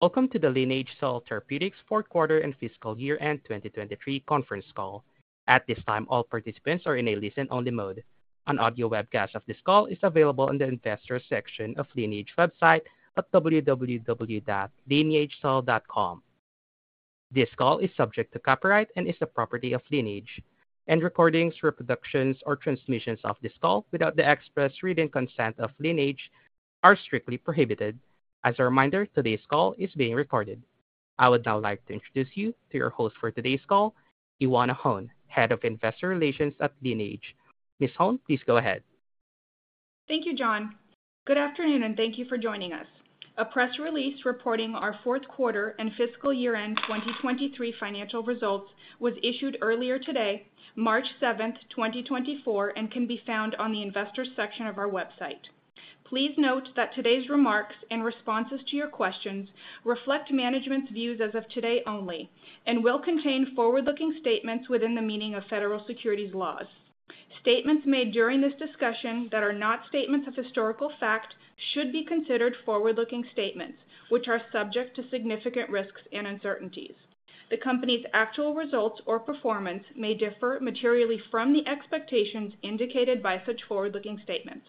Welcome to the Lineage Cell Therapeutics fourth quarter and fiscal year end 2023 conference call. At this time, all participants are in a listen-only mode. An audio webcast of this call is available on the Investors section of Lineage's website at www.lineagecell.com. This call is subject to copyright and is the property of Lineage. Any recordings, reproductions or transmissions of this call without the express written consent of Lineage are strictly prohibited. As a reminder, today's call is being recorded. I would now like to introduce you to your host for today's call, Ioana Hone, Head of Investor Relations at Lineage. Ms. Hone, please go ahead. Thank you, John. Good afternoon, and thank you for joining us. A press release reporting our fourth quarter and fiscal year-end 2023 financial results was issued earlier today, March 7, 2024, and can be found on the Investors section of our website. Please note that today's remarks and responses to your questions reflect management's views as of today only and will contain forward-looking statements within the meaning of federal securities laws. Statements made during this discussion that are not statements of historical fact should be considered forward-looking statements, which are subject to significant risks and uncertainties. The Company's actual results or performance may differ materially from the expectations indicated by such forward-looking statements.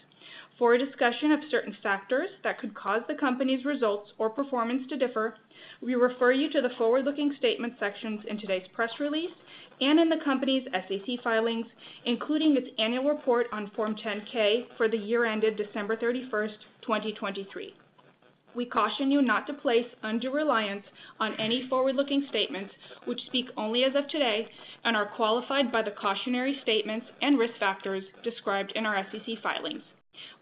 For a discussion of certain factors that could cause the Company's results or performance to differ, we refer you to the forward-looking statement sections in today's press release and in the Company's SEC filings, including its annual report on Form 10-K for the year ended December 31, 2023. We caution you not to place undue reliance on any forward-looking statements, which speak only as of today and are qualified by the cautionary statements and risk factors described in our SEC filings.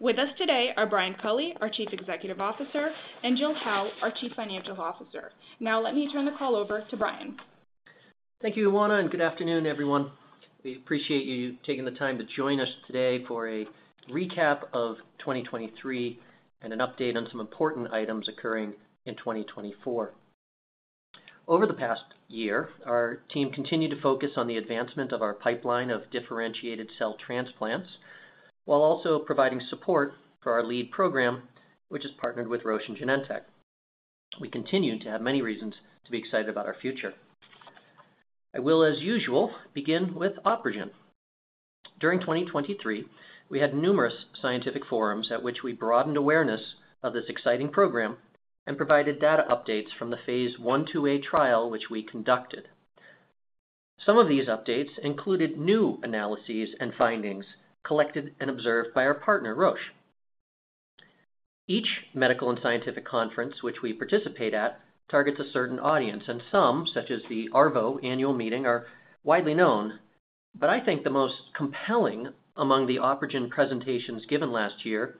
With us today are Brian Culley, our Chief Executive Officer, and Jill Howe, our Chief Financial Officer. Now, let me turn the call over to Brian. Thank you, Ioana, and good afternoon, everyone. We appreciate you taking the time to join us today for a recap of 2023 and an update on some important items occurring in 2024. Over the past year, our team continued to focus on the advancement of our pipeline of differentiated cell transplants, while also providing support for our lead program, which is partnered with Roche and Genentech. We continue to have many reasons to be excited about our future. I will, as usual, begin with OpRegen. During 2023, we had numerous scientific forums at which we broadened awareness of this exciting program and provided data updates from the phase I/IIa trial, which we conducted. Some of these updates included new analyses and findings collected and observed by our partner, Roche. Each medical and scientific conference, which we participate at, targets a certain audience, and some, such as the ARVO Annual Meeting, are widely known. But I think the most compelling among the OpRegen presentations given last year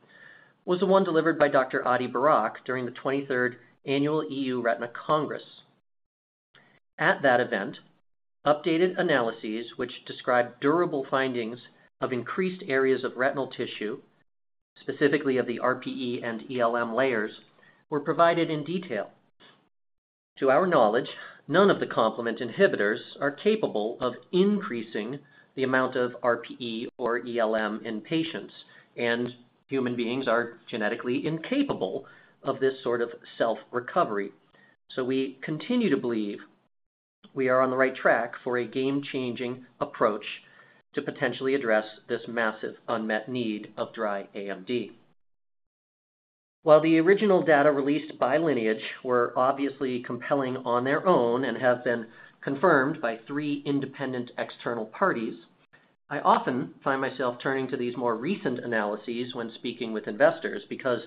was the one delivered by Dr. Adiel Barak during the 23rd Annual EURETINA Congress. At that event, updated analyses, which described durable findings of increased areas of retinal tissue, specifically of the RPE and ELM layers, were provided in detail. To our knowledge, none of the complement inhibitors are capable of increasing the amount of RPE or ELM in patients, and human beings are genetically incapable of this sort of self-recovery. So we continue to believe we are on the right track for a game-changing approach to potentially address this massive unmet need of dry AMD. While the original data released by Lineage were obviously compelling on their own and have been confirmed by three independent external parties, I often find myself turning to these more recent analyses when speaking with investors, because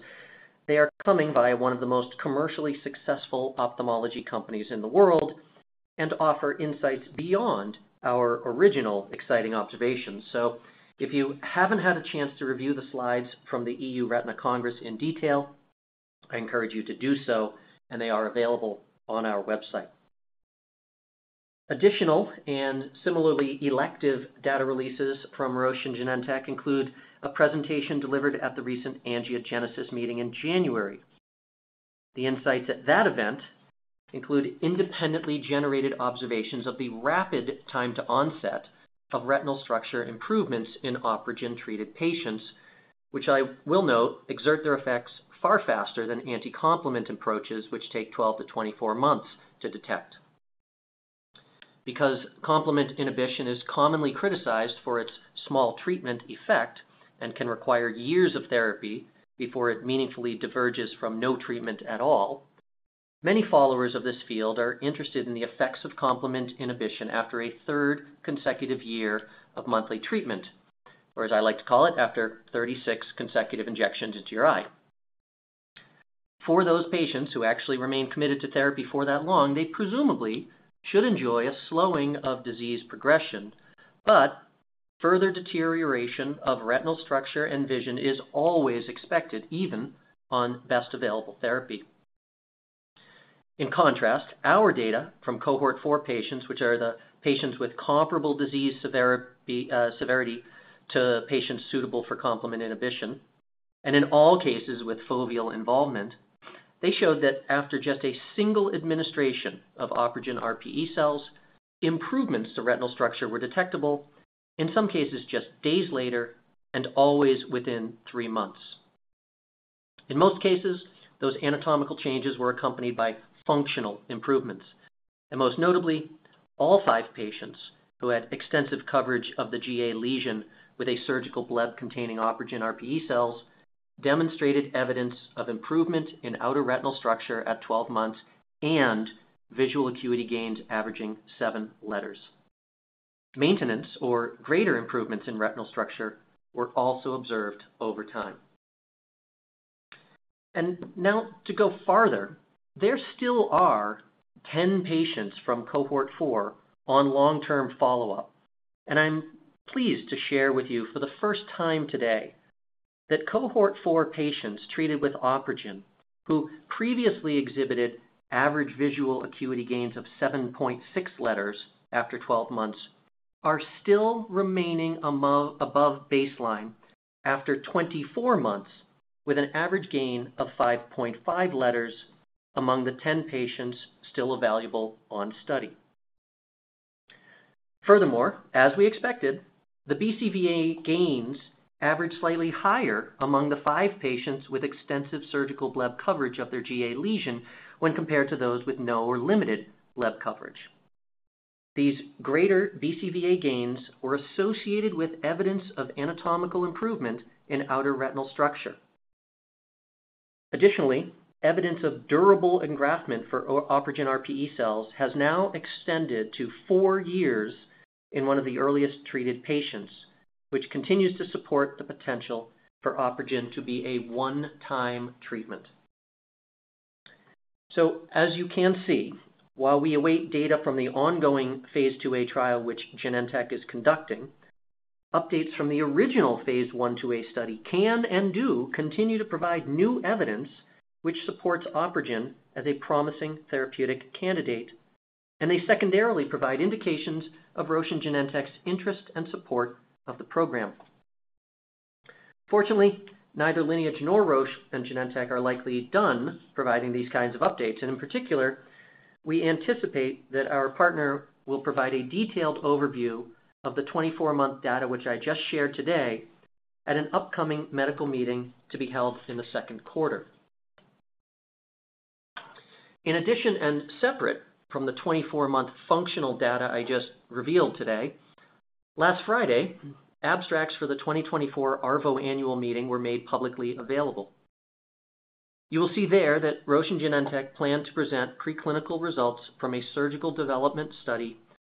they are coming by one of the most commercially successful ophthalmology companies in the world and offer insights beyond our original exciting observations. So if you haven't had a chance to review the slides from the EURETINA Congress in detail, I encourage you to do so, and they are available on our website. Additional and similarly elective data releases from Roche and Genentech include a presentation delivered at the recent Angiogenesis Meeting in January. The insights at that event include independently generated observations of the rapid time to onset of retinal structure improvements in OpRegen-treated patients, which I will note, exert their effects far faster than anticomplement approaches, which take 12-24 months to detect. Because complement inhibition is commonly criticized for its small treatment effect and can require years of therapy before it meaningfully diverges from no treatment at all, many followers of this field are interested in the effects of complement inhibition after a third consecutive year of monthly treatment, or as I like to call it, after 36 consecutive injections into your eye. For those patients who actually remain committed to therapy for that long, they presumably should enjoy a slowing of disease progression, but further deterioration of retinal structure and vision is always expected, even on best available therapy. In contrast, our data from cohort 4 patients, which are the patients with comparable disease severity to patients suitable for complement inhibition, and in all cases with foveal involvement, they showed that after just a single administration of OpRegen RPE cells, improvements to retinal structure were detectable in some cases, just days later, and always within 3 months. In most cases, those anatomical changes were accompanied by functional improvements, and most notably, all 5 patients who had extensive coverage of the GA lesion with a surgical bleb containing OpRegen RPE cells, demonstrated evidence of improvement in outer retinal structure at 12 months, and visual acuity gains averaging 7 letters. Maintenance or greater improvements in retinal structure were also observed over time. And now to go farther, there still are 10 patients from cohort 4 on long-term follow-up, and I'm pleased to share with you for the first time today, that cohort 4 patients treated with OpRegen, who previously exhibited average visual acuity gains of 7.6 letters after 12 months, are still remaining above, above baseline after 24 months, with an average gain of 5.5 letters among the 10 patients still evaluable on study. Furthermore, as we expected, the BCVA gains averaged slightly higher among the 5 patients with extensive surgical bleb coverage of their GA lesion when compared to those with no or limited bleb coverage. These greater BCVA gains were associated with evidence of anatomical improvement in outer retinal structure. Additionally, evidence of durable engraftment for OpRegen RPE cells has now extended to 4 years in one of the earliest treated patients, which continues to support the potential for OpRegen to be a one-time treatment. So as you can see, while we await data from the ongoing phase IIa trial, which Genentech is conducting, updates from the original phase I/IIa study can and do continue to provide new evidence which supports OpRegen as a promising therapeutic candidate, and they secondarily provide indications of Roche and Genentech's interest and support of the program. Fortunately, neither Lineage nor Roche and Genentech are likely done providing these kinds of updates, and in particular, we anticipate that our partner will provide a detailed overview of the 24-month data, which I just shared today, at an upcoming medical meeting to be held in the second quarter. In addition, and separate from the 24-month functional data I just revealed today, last Friday, abstracts for the 2024 ARVO Annual Meeting were made publicly available. You will see there that Roche and Genentech plan to present preclinical results from a surgical development study,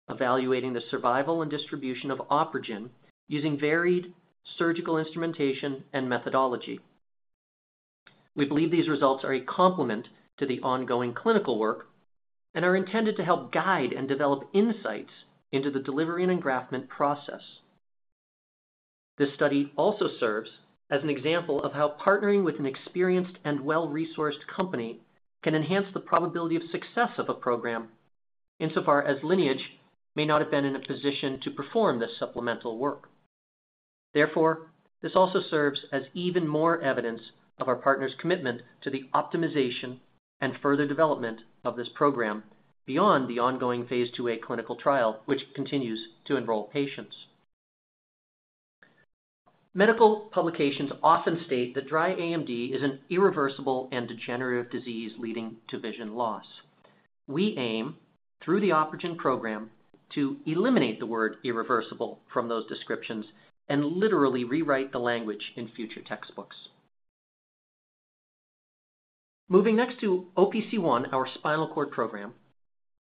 evaluating the survival and distribution of OpRegen using varied surgical instrumentation and methodology. We believe these results are a complement to the ongoing clinical work and are intended to help guide and develop insights into the delivery and engraftment process. This study also serves as an example of how partnering with an experienced and well-resourced company can enhance the probability of success of a program, insofar as Lineage may not have been in a position to perform this supplemental work. Therefore, this also serves as even more evidence of our partner's commitment to the optimization and further development of this program beyond the ongoing phase IIa clinical trial, which continues to enroll patients. Medical publications often state that dry AMD is an irreversible and degenerative disease leading to vision loss. We aim, through the OpRegen program, to eliminate the word irreversible from those descriptions and literally rewrite the language in future textbooks. Moving next to OPC1, our spinal cord program.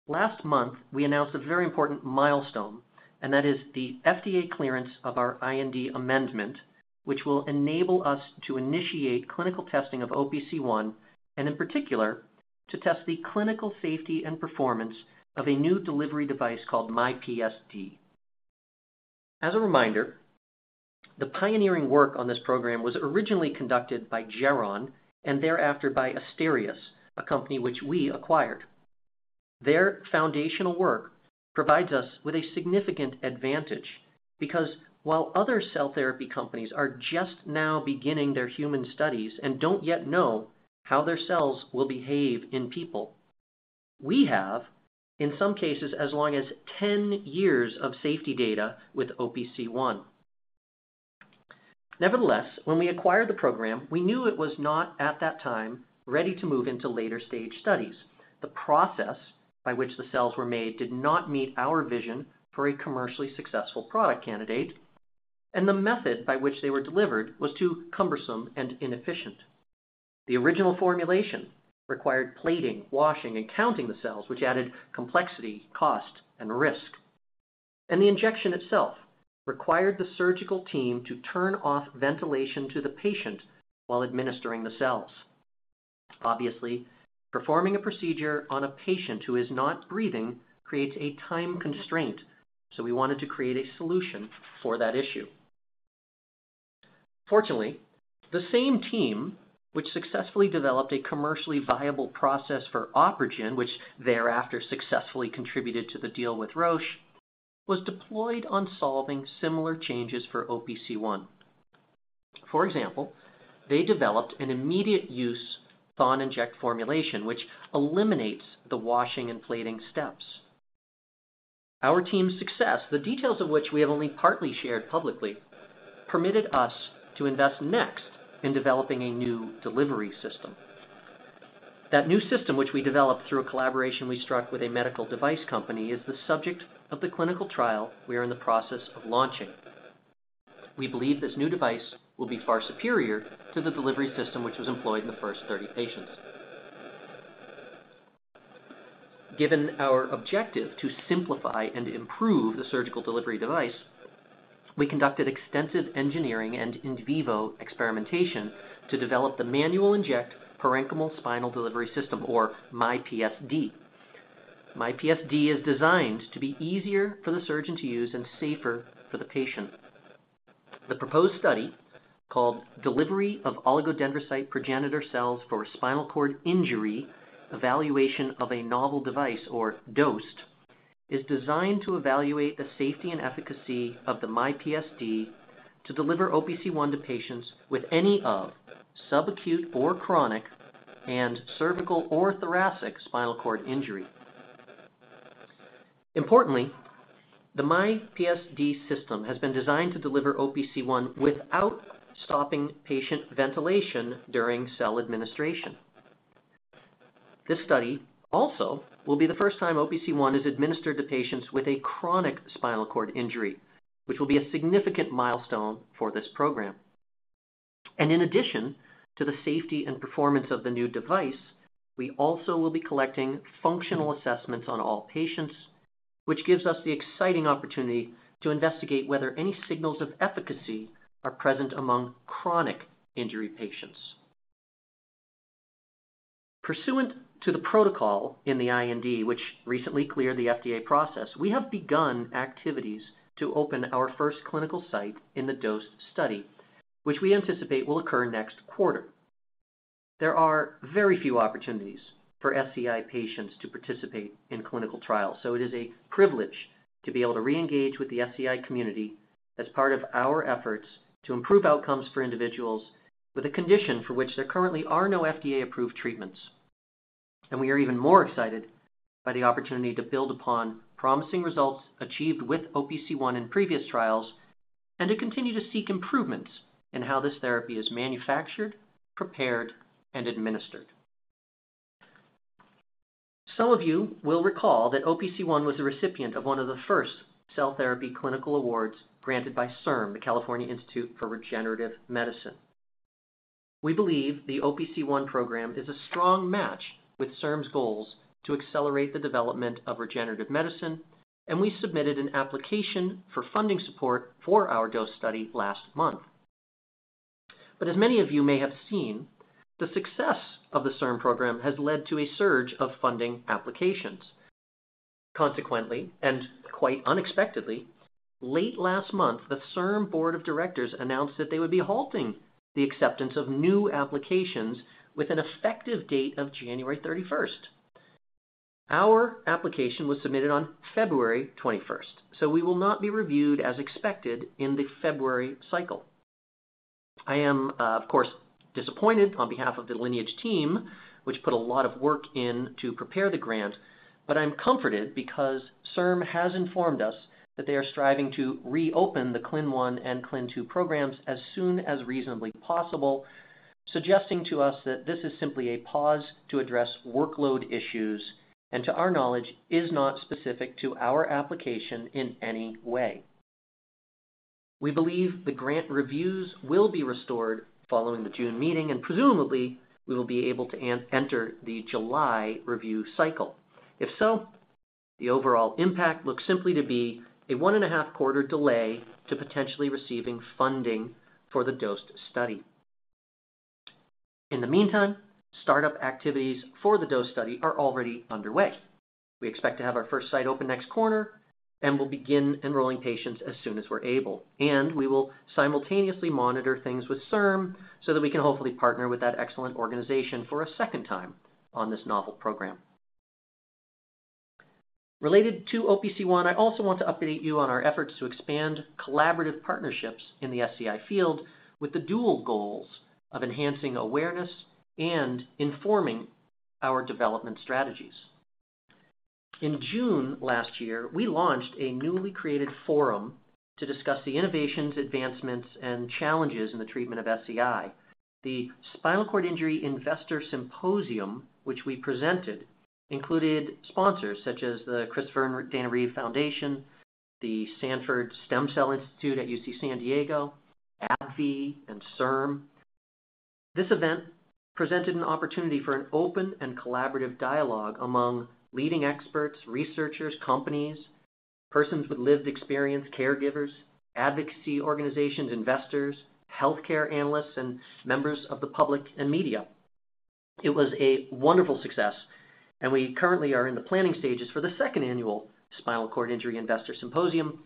Last month, we announced a very important milestone, and that is the FDA clearance of our IND amendment, which will enable us to initiate clinical testing of OPC1, and in particular, to test the clinical safety and performance of a new delivery device called myPSD. As a reminder, the pioneering work on this program was originally conducted by Geron and thereafter by Asterias, a company which we acquired. Their foundational work provides us with a significant advantage, because while other cell therapy companies are just now beginning their human studies and don't yet know how their cells will behave in people, we have, in some cases, as long as 10 years of safety data with OPC1. Nevertheless, when we acquired the program, we knew it was not, at that time, ready to move into later-stage studies. The process by which the cells were made did not meet our vision for a commercially successful product candidate, and the method by which they were delivered was too cumbersome and inefficient. The original formulation required plating, washing, and counting the cells, which added complexity, cost, and risk. The injection itself required the surgical team to turn off ventilation to the patient while administering the cells. Obviously, performing a procedure on a patient who is not breathing creates a time constraint, so we wanted to create a solution for that issue. Fortunately, the same team, which successfully developed a commercially viable process for OpRegen, which thereafter successfully contributed to the deal with Roche, was deployed on solving similar changes for OPC1. For example, they developed an immediate-use thaw inject formulation, which eliminates the washing and plating steps. Our team's success, the details of which we have only partly shared publicly, permitted us to invest next in developing a new delivery system. That new system, which we developed through a collaboration we struck with a medical device company, is the subject of the clinical trial we are in the process of launching. We believe this new device will be far superior to the delivery system, which was employed in the first 30 patients. Given our objective to simplify and improve the surgical delivery device, we conducted extensive engineering and in vivo experimentation to develop the Manual Inject Parenchymal Spinal Delivery system, or myPSD. myPSD is designed to be easier for the surgeon to use and safer for the patient. The proposed study, called Delivery of Oligodendrocyte Progenitor Cells for Spinal Cord Injury: Evaluation of a Novel Device, or DOSED, is designed to evaluate the safety and efficacy of the myPSD to deliver OPC1 to patients with any of subacute or chronic and cervical or thoracic spinal cord injury. Importantly, the myPSD system has been designed to deliver OPC1 without stopping patient ventilation during cell administration. This study also will be the first time OPC1 is administered to patients with a chronic spinal cord injury, which will be a significant milestone for this program. In addition to the safety and performance of the new device, we also will be collecting functional assessments on all patients, which gives us the exciting opportunity to investigate whether any signals of efficacy are present among chronic injury patients. Pursuant to the protocol in the IND, which recently cleared the FDA process, we have begun activities to open our first clinical site in the DOSED study, which we anticipate will occur next quarter. There are very few opportunities for SCI patients to participate in clinical trials, so it is a privilege to be able to reengage with the SCI community as part of our efforts to improve outcomes for individuals with a condition for which there currently are no FDA-approved treatments. We are even more excited by the opportunity to build upon promising results achieved with OPC1 in previous trials, and to continue to seek improvements in how this therapy is manufactured, prepared, and administered. Some of you will recall that OPC1 was a recipient of one of the first cell therapy clinical awards granted by CIRM, the California Institute for Regenerative Medicine. We believe the OPC1 program is a strong match with CIRM's goals to accelerate the development of regenerative medicine, and we submitted an application for funding support for our dose study last month. As many of you may have seen, the success of the CIRM program has led to a surge of funding applications. Consequently, and quite unexpectedly, late last month, the CIRM Board of Directors announced that they would be halting the acceptance of new applications with an effective date of January 31st. Our application was submitted on February 21st, so we will not be reviewed as expected in the February cycle. I am, of course, disappointed on behalf of the Lineage team, which put a lot of work in to prepare the grant, but I'm comforted because CIRM has informed us that they are striving to reopen the CLIN 1 and CLIN 2 programs as soon as reasonably possible, suggesting to us that this is simply a pause to address workload issues, and to our knowledge, is not specific to our application in any way. We believe the grant reviews will be restored following the June meeting, and presumably, we will be able to enter the July review cycle. If so, the overall impact looks simply to be a 1.5-quarter delay to potentially receiving funding for the DOSED study. In the meantime, startup activities for the DOSED study are already underway. We expect to have our first site open next quarter, and we'll begin enrolling patients as soon as we're able. We will simultaneously monitor things with CIRM so that we can hopefully partner with that excellent organization for a second time on this novel program. Related to OPC1, I also want to update you on our efforts to expand collaborative partnerships in the SCI field with the dual goals of enhancing awareness and informing our development strategies. In June last year, we launched a newly created forum to discuss the innovations, advancements, and challenges in the treatment of SCI. The Spinal Cord Injury Investor Symposium, which we presented, included sponsors such as the Christopher and Dana Reeve Foundation, the Sanford Stem Cell Institute at UC San Diego, ADVI, and CIRM. This event presented an opportunity for an open and collaborative dialogue among leading experts, researchers, companies, persons with lived experience, caregivers, advocacy organizations, investors, healthcare analysts, and members of the public and media. It was a wonderful success, and we currently are in the planning stages for the second annual Spinal Cord Injury Investor Symposium,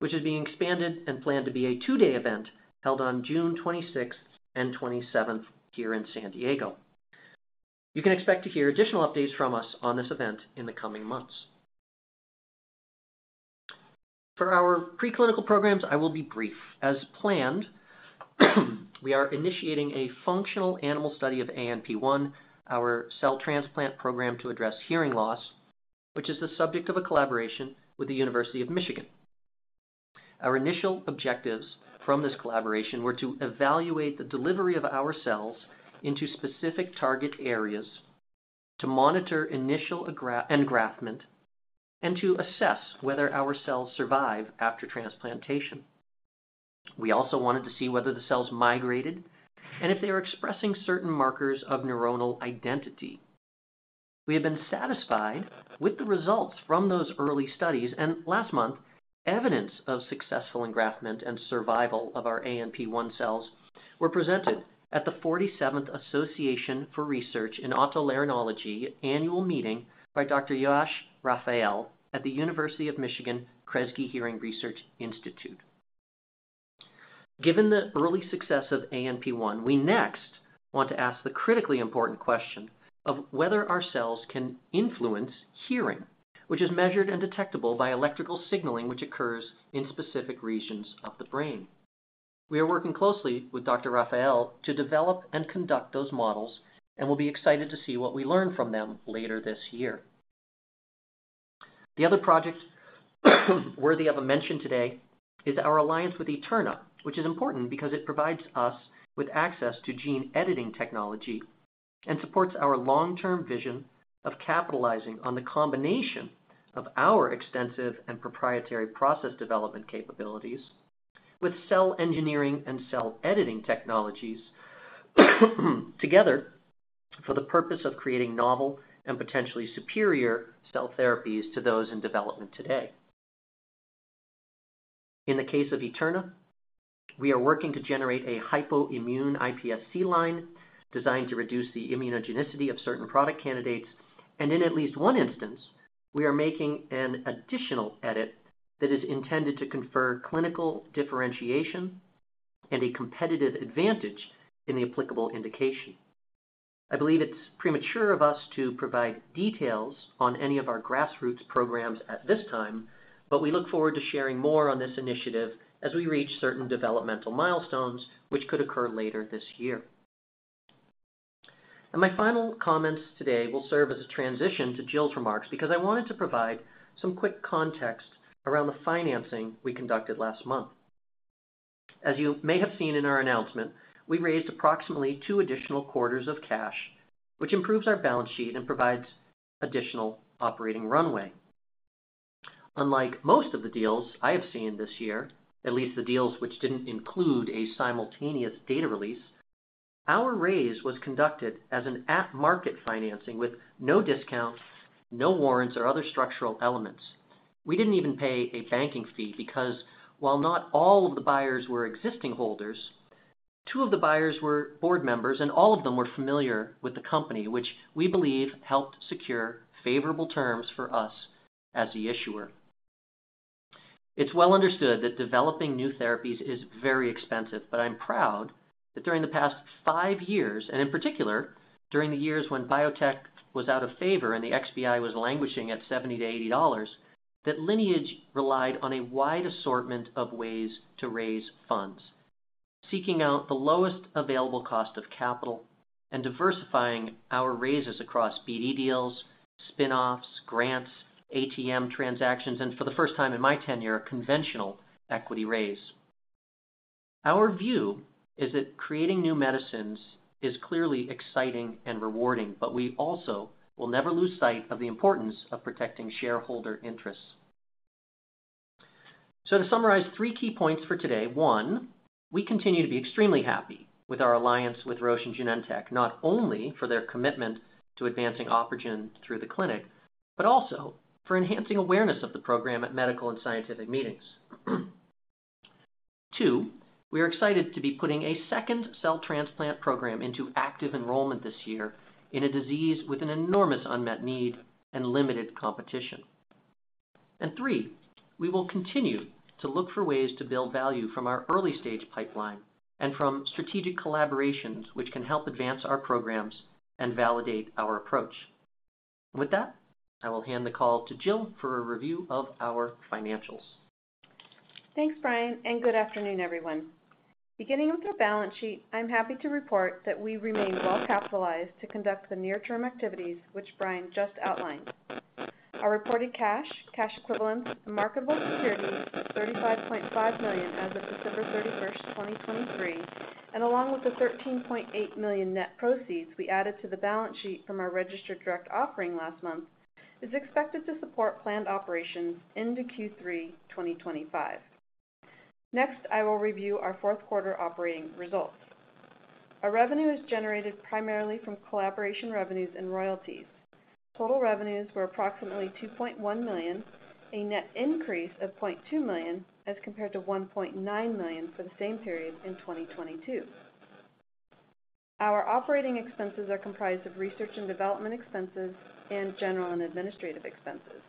which is being expanded and planned to be a two-day event held on June 26th and 27th here in San Diego. You can expect to hear additional updates from us on this event in the coming months. For our preclinical programs, I will be brief. As planned, we are initiating a functional animal study of ANP1, our cell transplant program to address hearing loss, which is the subject of a collaboration with the University of Michigan. Our initial objectives from this collaboration were to evaluate the delivery of our cells into specific target areas, to monitor initial engraftment, and to assess whether our cells survive after transplantation. We also wanted to see whether the cells migrated and if they were expressing certain markers of neuronal identity. We have been satisfied with the results from those early studies, and last month, evidence of successful engraftment and survival of our ANP1 cells were presented at the 47th Association for Research in Otolaryngology Annual Meeting by Dr. Yehoash Raphael at the University of Michigan Kresge Hearing Research Institute. Given the early success of ANP1, we next want to ask the critically important question of whether our cells can influence hearing, which is measured and detectable by electrical signaling, which occurs in specific regions of the brain. We are working closely with Dr. Raphael to develop and conduct those models, and we'll be excited to see what we learn from them later this year. The other project worthy of a mention today is our alliance with Eterna, which is important because it provides us with access to gene-editing technology and supports our long-term vision of capitalizing on the combination of our extensive and proprietary process development capabilities with cell engineering and cell-editing technologies, together for the purpose of creating novel and potentially superior cell therapies to those in development today. In the case of Eterna, we are working to generate a hypoimmune iPSC line designed to reduce the immunogenicity of certain product candidates. In at least one instance, we are making an additional edit that is intended to confer clinical differentiation and a competitive advantage in the applicable indication. I believe it's premature of us to provide details on any of our grassroots programs at this time, but we look forward to sharing more on this initiative as we reach certain developmental milestones, which could occur later this year. My final comments today will serve as a transition to Jill's remarks, because I wanted to provide some quick context around the financing we conducted last month. As you may have seen in our announcement, we raised approximately two additional quarters of cash, which improves our balance sheet and provides additional operating runway. Unlike most of the deals I have seen this year, at least the deals which didn't include a simultaneous data release, our raise was conducted as an at-market financing with no discounts, no warrants, or other structural elements. We didn't even pay a banking fee because while not all of the buyers were existing holders, 2 of the buyers were board members, and all of them were familiar with the company, which we believe helped secure favorable terms for us as the issuer. It's well understood that developing new therapies is very expensive, but I'm proud that during the past 5 years, and in particular, during the years when biotech was out of favor and the XBI was languishing at $70-$80, that Lineage relied on a wide assortment of ways to raise funds, seeking out the lowest available cost of capital and diversifying our raises across BD deals, spinoffs, grants, ATM transactions, and for the first time in my tenure, a conventional equity raise. Our view is that creating new medicines is clearly exciting and rewarding, but we also will never lose sight of the importance of protecting shareholder interests. So to summarize three key points for today: one, we continue to be extremely happy with our alliance with Roche and Genentech, not only for their commitment to advancing OpRegen through the clinic, but also for enhancing awareness of the program at medical and scientific meetings. Two, we are excited to be putting a second cell transplant program into active enrollment this year in a disease with an enormous unmet need and limited competition. And three, we will continue to look for ways to build value from our early-stage pipeline and from strategic collaborations, which can help advance our programs and validate our approach. With that, I will hand the call to Jill for a review of our financials. Thanks, Brian, and good afternoon, everyone. Beginning with our balance sheet, I'm happy to report that we remain well capitalized to conduct the near-term activities, which Brian just outlined. Our reported cash, cash equivalents, and marketable securities, $35.5 million as of December 31, 2023, and along with the $13.8 million net proceeds we added to the balance sheet from our registered direct offering last month, is expected to support planned operations into Q3 2025. Next, I will review our fourth quarter operating results. Our revenue is generated primarily from collaboration revenues and royalties. Total revenues were approximately $2.1 million, a net increase of $0.2 million, as compared to $1.9 million for the same period in 2022. Our operating expenses are comprised of research and development expenses and general and administrative expenses.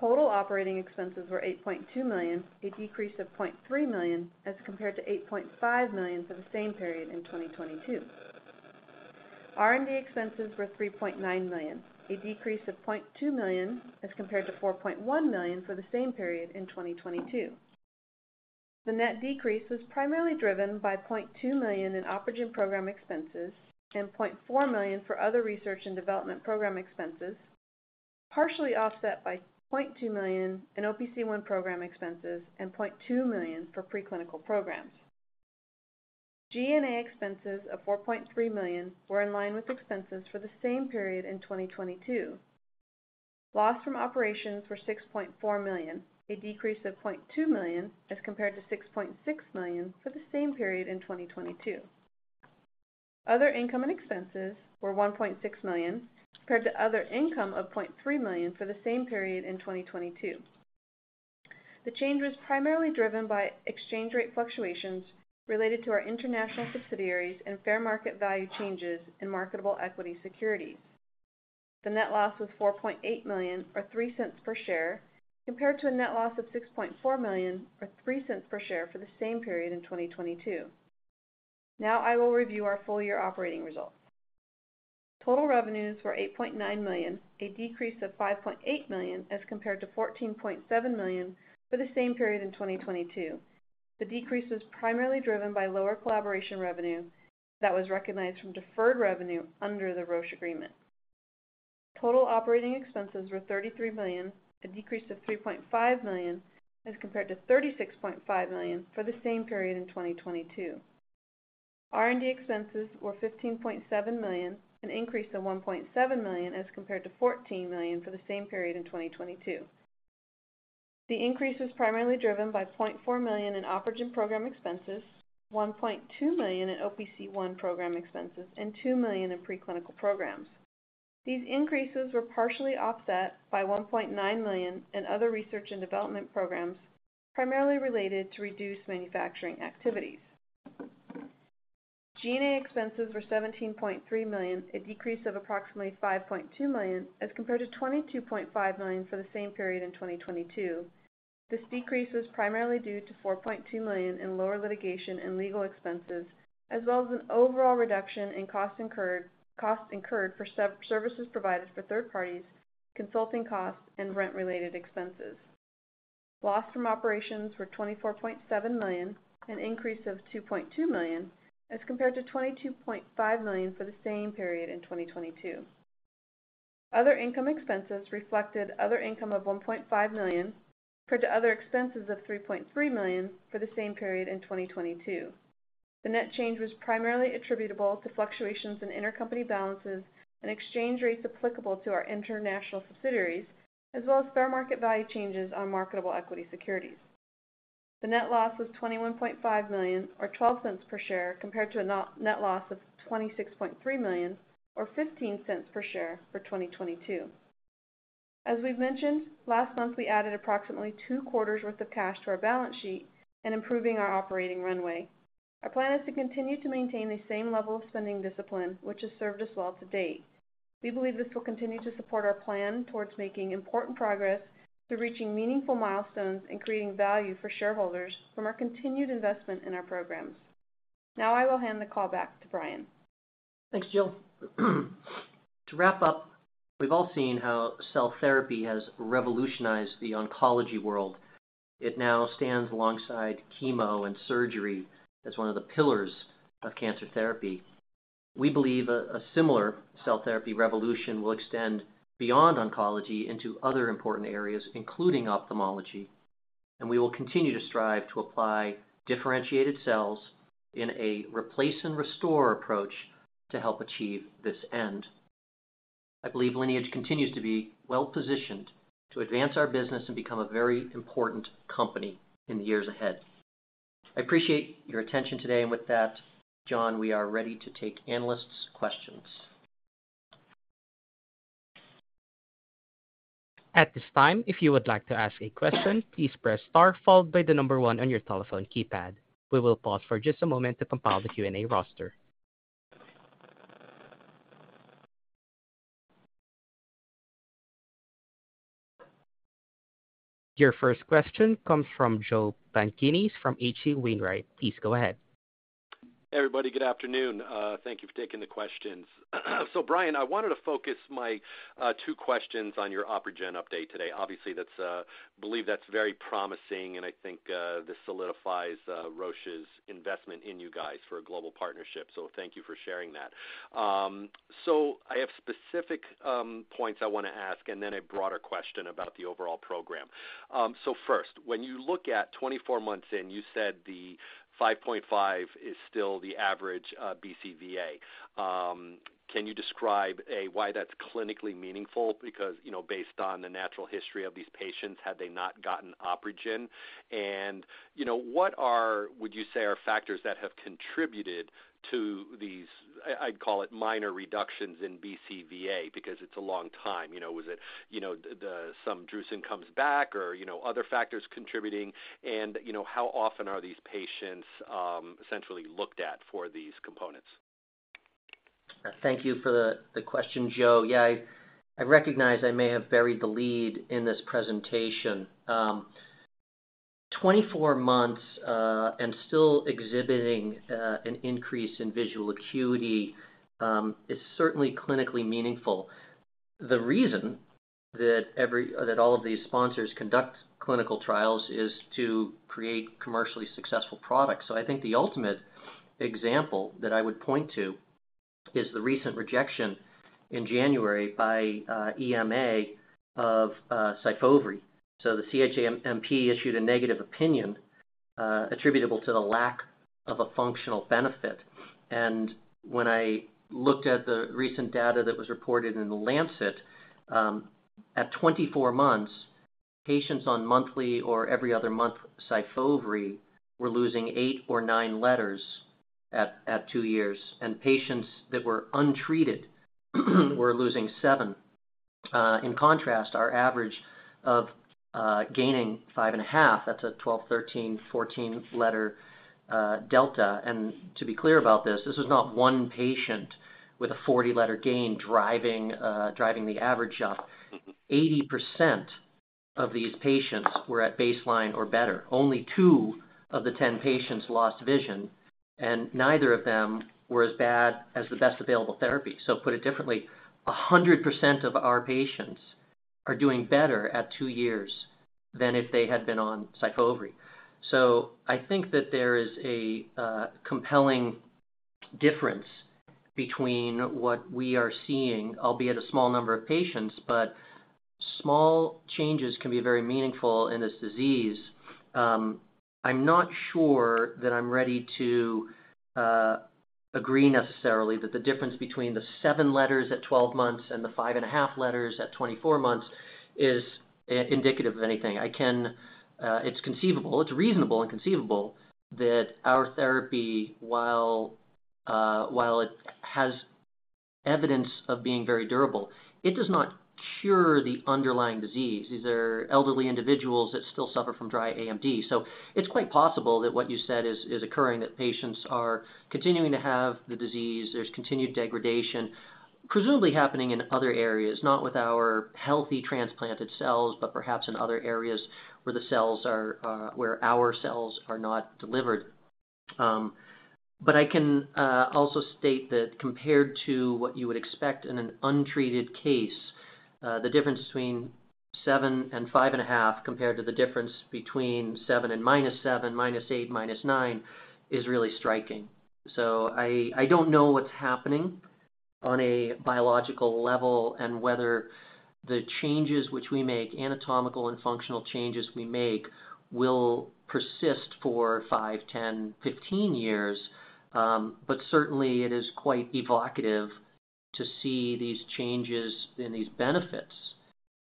Total operating expenses were $8.2 million, a decrease of $0.3 million, as compared to $8.5 million for the same period in 2022. R&D expenses were $3.9 million, a decrease of $0.2 million as compared to $4.1 million for the same period in 2022. The net decrease was primarily driven by $0.2 million in OpRegen program expenses and $0.4 million for other research and development program expenses, partially offset by $0.2 million in OPC1 program expenses and $0.2 million for preclinical programs. G&A expenses of $4.3 million were in line with expenses for the same period in 2022. Loss from operations were $6.4 million, a decrease of $0.2 million as compared to $6.6 million for the same period in 2022. Other income and expenses were $1.6 million, compared to other income of $0.3 million for the same period in 2022. The change was primarily driven by exchange rate fluctuations related to our international subsidiaries and fair market value changes in marketable equity securities. The net loss was $4.8 million, or $0.03 per share, compared to a net loss of $6.4 million, or $0.03 per share, for the same period in 2022. Now I will review our full-year operating results. Total revenues were $8.9 million, a decrease of $5.8 million as compared to $14.7 million for the same period in 2022. The decrease was primarily driven by lower collaboration revenue that was recognized from deferred revenue under the Roche agreement. Total operating expenses were $33 million, a decrease of $3.5 million, as compared to $36.5 million for the same period in 2022. R&D expenses were $15.7 million, an increase of $1.7 million as compared to $14 million for the same period in 2022. The increase was primarily driven by $0.4 million in OpRegen program expenses, $1.2 million in OPC1 program expenses, and $2 million in preclinical programs. These increases were partially offset by $1.9 million in other research and development programs, primarily related to reduced manufacturing activities. G&A expenses were $17.3 million, a decrease of approximately $5.2 million as compared to $22.5 million for the same period in 2022. This decrease was primarily due to $4.2 million in lower litigation and legal expenses, as well as an overall reduction in costs incurred for services provided for third parties, consulting costs, and rent-related expenses. Loss from operations were $24.7 million, an increase of $2.2 million, as compared to $22.5 million for the same period in 2022. Other income expenses reflected other income of $1.5 million, compared to other expenses of $3.3 million for the same period in 2022. The net change was primarily attributable to fluctuations in intercompany balances and exchange rates applicable to our international subsidiaries, as well as fair market value changes on marketable equity securities. The net loss was $21.5 million, or $0.12 per share, compared to a net loss of $26.3 million, or $0.15 per share, for 2022. As we've mentioned, last month, we added approximately 2 quarters worth of cash to our balance sheet and improving our operating runway. Our plan is to continue to maintain the same level of spending discipline, which has served us well to date. We believe this will continue to support our plan towards making important progress to reaching meaningful milestones and creating value for shareholders from our continued investment in our programs. Now I will hand the call back to Brian. Thanks, Jill. To wrap up, we've all seen how cell therapy has revolutionized the oncology world. It now stands alongside chemo and surgery as one of the pillars of cancer therapy. We believe a similar cell therapy revolution will extend beyond oncology into other important areas, including ophthalmology, and we will continue to strive to apply differentiated cells in a replace and restore approach to help achieve this end. I believe Lineage continues to be well-positioned to advance our business and become a very important company in the years ahead. I appreciate your attention today. With that, John, we are ready to take analysts' questions. At this time, if you would like to ask a question, please press star followed by the number 1 on your telephone keypad. We will pause for just a moment to compile the Q&A roster. Your first question comes from Joseph Pantginis from H.C. Wainwright. Please go ahead. Hey, everybody. Good afternoon. Thank you for taking the questions. So Brian, I wanted to focus my two questions on your OpRegen update today. Obviously, that's, I believe that's very promising, and I think this solidifies Roche's investment in you guys for a global partnership. So thank you for sharing that. So I have specific points I want to ask, and then a broader question about the overall program. So first, when you look at 24 months in, you said the 5.5 is still the average BCVA. Can you describe, A, why that's clinically meaningful? Because, you know, based on the natural history of these patients, had they not gotten OpRegen. And, you know, what are, would you say, are factors that have contributed to these, I, I'd call it, minor reductions in BCVA because it's a long time? You know, was it, you know, the, some drusen comes back or, you know, other factors contributing, and, you know, how often are these patients essentially looked at for these components? Thank you for the question, Joe. Yeah, I recognize I may have buried the lead in this presentation. 24 months and still exhibiting an increase in visual acuity is certainly clinically meaningful. The reason that all of these sponsors conduct clinical trials is to create commercially successful products. So I think the ultimate example that I would point to is the recent rejection in January by EMA of Syfovre. So the CHMP issued a negative opinion attributable to the lack of a functional benefit. And when I looked at the recent data that was reported in The Lancet, at 24 months, patients on monthly or every other month Syfovre were losing 8 or 9 letters at 2 years, and patients that were untreated were losing 7. In contrast, our average of gaining 5.5, that's a 12, 13, 14 letter delta. And to be clear about this, this is not one patient with a 40-letter gain driving the average up. 80% of these patients were at baseline or better. Only 2 of the 10 patients lost vision, and neither of them were as bad as the best available therapy. So put it differently, 100% of our patients are doing better at 2 years than if they had been on Syfovre. So I think that there is a compelling difference between what we are seeing, albeit a small number of patients, but small changes can be very meaningful in this disease. I'm not sure that I'm ready to agree necessarily that the difference between the 7 letters at 12 months and the 5.5 letters at 24 months is indicative of anything. It's conceivable, it's reasonable and conceivable that our therapy, while, while it has evidence of being very durable, it does not cure the underlying disease. These are elderly individuals that still suffer from Dry AMD. So it's quite possible that what you said is, is occurring, that patients are continuing to have the disease. There's continued degradation, presumably happening in other areas, not with our healthy transplanted cells, but perhaps in other areas where the cells are, where our cells are not delivered. But I can also state that compared to what you would expect in an untreated case, the difference between 7 and 5.5, compared to the difference between 7 and -7, -8, -9, is really striking. So I don't know what's happening on a biological level and whether the changes which we make, anatomical and functional changes we make, will persist for 5, 10, 15 years. But certainly it is quite evocative to see these changes and these benefits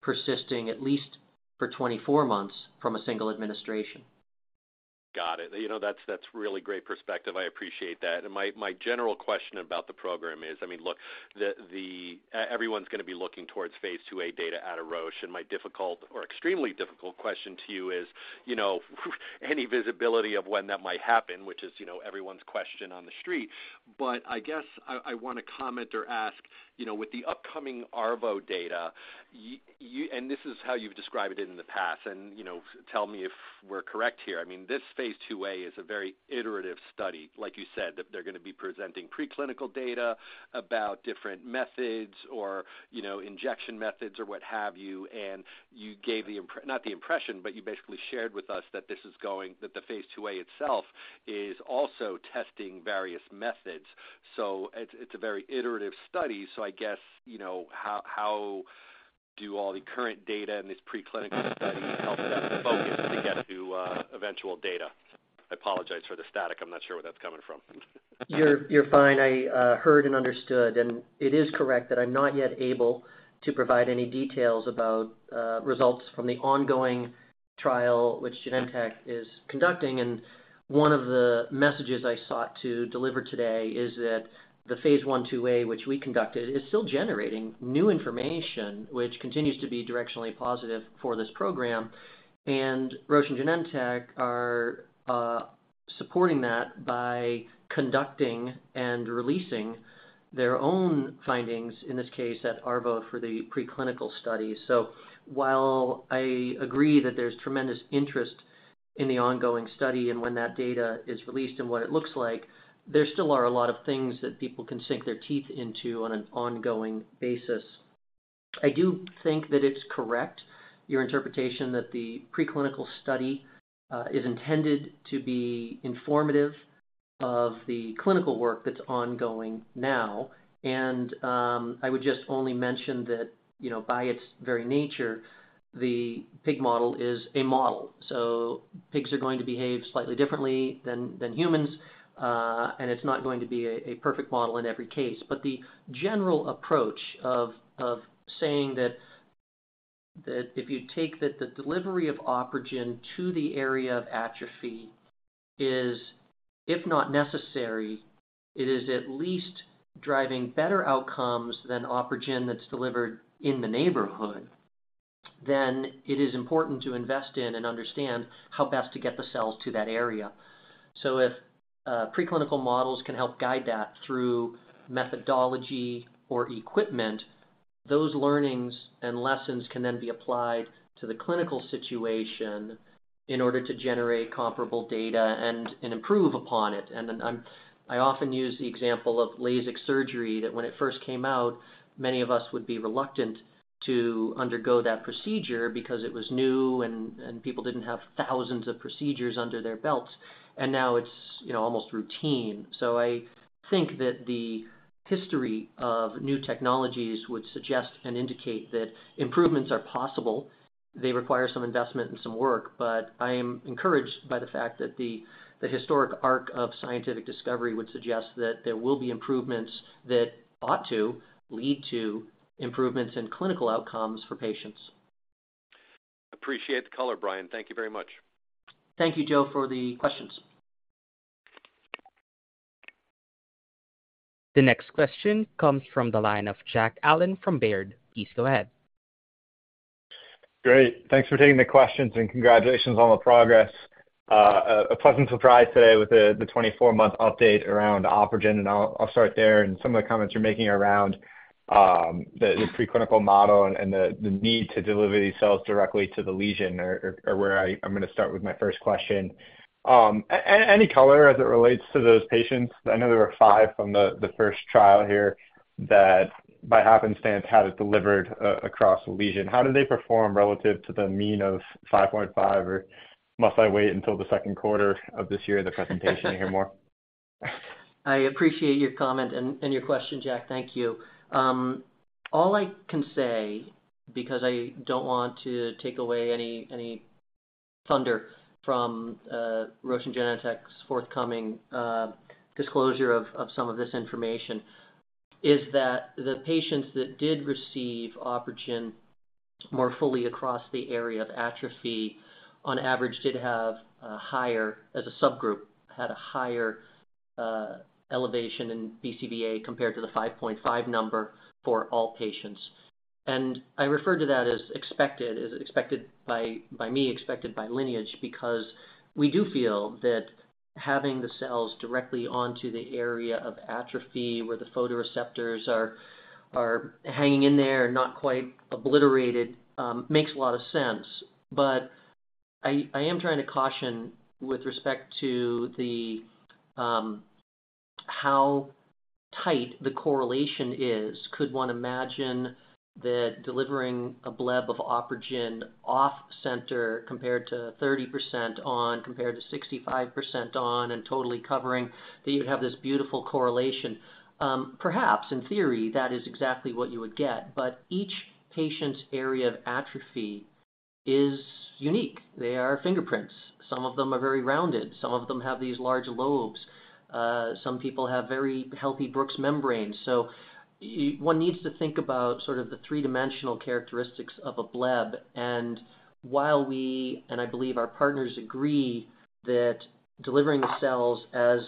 persisting at least for 24 months from a single administration. Got it. You know, that's really great perspective. I appreciate that. My general question about the program is, I mean, look, everyone's going to be looking towards Phase IIa data at Roche, and my difficult or extremely difficult question to you is, you know, any visibility of when that might happen, which is, you know, everyone's question on the street. But I guess I want to comment or ask, you know, with the upcoming ARVO data, you, and this is how you've described it in the past, and, you know, tell me if we're correct here. I mean, this phase II a is a very iterative study. Like you said, that they're going to be presenting preclinical data about different methods or, you know, injection methods or what have you. And you gave the impre-- not the impression, but you basically shared with us that this is going, that the Phase IIa itself is also testing various methods. So it's, it's a very iterative study. So I guess, you know, how, how do all the current data and these preclinical studies help that focus to get to eventual data? I apologize for the static. I'm not sure where that's coming from. You're, you're fine. I heard and understood, and it is correct that I'm not yet able to provide any details about, results from the ongoing trial, which Genentech is conducting. And one of the messages I sought to deliver today is that the phase I, 2a, which we conducted, is still generating new information, which continues to be directionally positive for this program. And Roche and Genentech are supporting that by conducting and releasing their own findings, in this case, at ARVO for the preclinical study. So while I agree that there's tremendous interest in the ongoing study and when that data is released and what it looks like, there still are a lot of things that people can sink their teeth into on an ongoing basis. I do think that it's correct, your interpretation, that the preclinical study is intended to be informative of the clinical work that's ongoing now. And I would just only mention that, you know, by its very nature, the pig model is a model. So pigs are going to behave slightly differently than humans, and it's not going to be a perfect model in every case. But the general approach of saying that if you take that the delivery of OpRegen to the area of atrophy is, if not necessary, it is at least driving better outcomes than OpRegen that's delivered in the neighborhood, then it is important to invest in and understand how best to get the cells to that area. So if preclinical models can help guide that through methodology or equipment... Those learnings and lessons can then be applied to the clinical situation in order to generate comparable data and improve upon it. And then I'm. I often use the example of LASIK surgery, that when it first came out, many of us would be reluctant to undergo that procedure because it was new and people didn't have thousands of procedures under their belts. And now it's, you know, almost routine. So I think that the history of new technologies would suggest and indicate that improvements are possible. They require some investment and some work, but I am encouraged by the fact that the historic arc of scientific discovery would suggest that there will be improvements that ought to lead to improvements in clinical outcomes for patients. Appreciate the color, Brian. Thank you very much. Thank you, Joe, for the questions. The next question comes from the line of Jack Allen from Baird. Please go ahead. Great. Thanks for taking the questions, and congratulations on the progress. A pleasant surprise today with the 24-month update around OpRegen, and I'll start there. And some of the comments you're making around the preclinical model and the need to deliver these cells directly to the lesion are where I'm gonna start with my first question. Any color as it relates to those patients, I know there were five from the first trial here, that by happenstance, had it delivered across the lesion. How did they perform relative to the mean of 5.5, or must I wait until the second quarter of this year, the presentation to hear more? I appreciate your comment and your question, Jack. Thank you. All I can say, because I don't want to take away any thunder from Roche and Genentech's forthcoming disclosure of some of this information, is that the patients that did receive OpRegen more fully across the area of atrophy, on average, did have a higher, as a subgroup, had a higher elevation in BCVA compared to the 5.5 number for all patients. And I refer to that as expected, as expected by me, expected by Lineage, because we do feel that having the cells directly onto the area of atrophy, where the photoreceptors are hanging in there, not quite obliterated, makes a lot of sense. But I am trying to caution with respect to the how tight the correlation is. Could one imagine that delivering a bleb of OpRegen off center compared to 30% on, compared to 65% on, and totally covering, that you'd have this beautiful correlation? Perhaps, in theory, that is exactly what you would get, but each patient's area of atrophy is unique. They are fingerprints. Some of them are very rounded, some of them have these large lobes. Some people have very healthy Bruch's membrane. So one needs to think about sort of the three-dimensional characteristics of a bleb. And while we, and I believe our partners agree, that delivering the cells as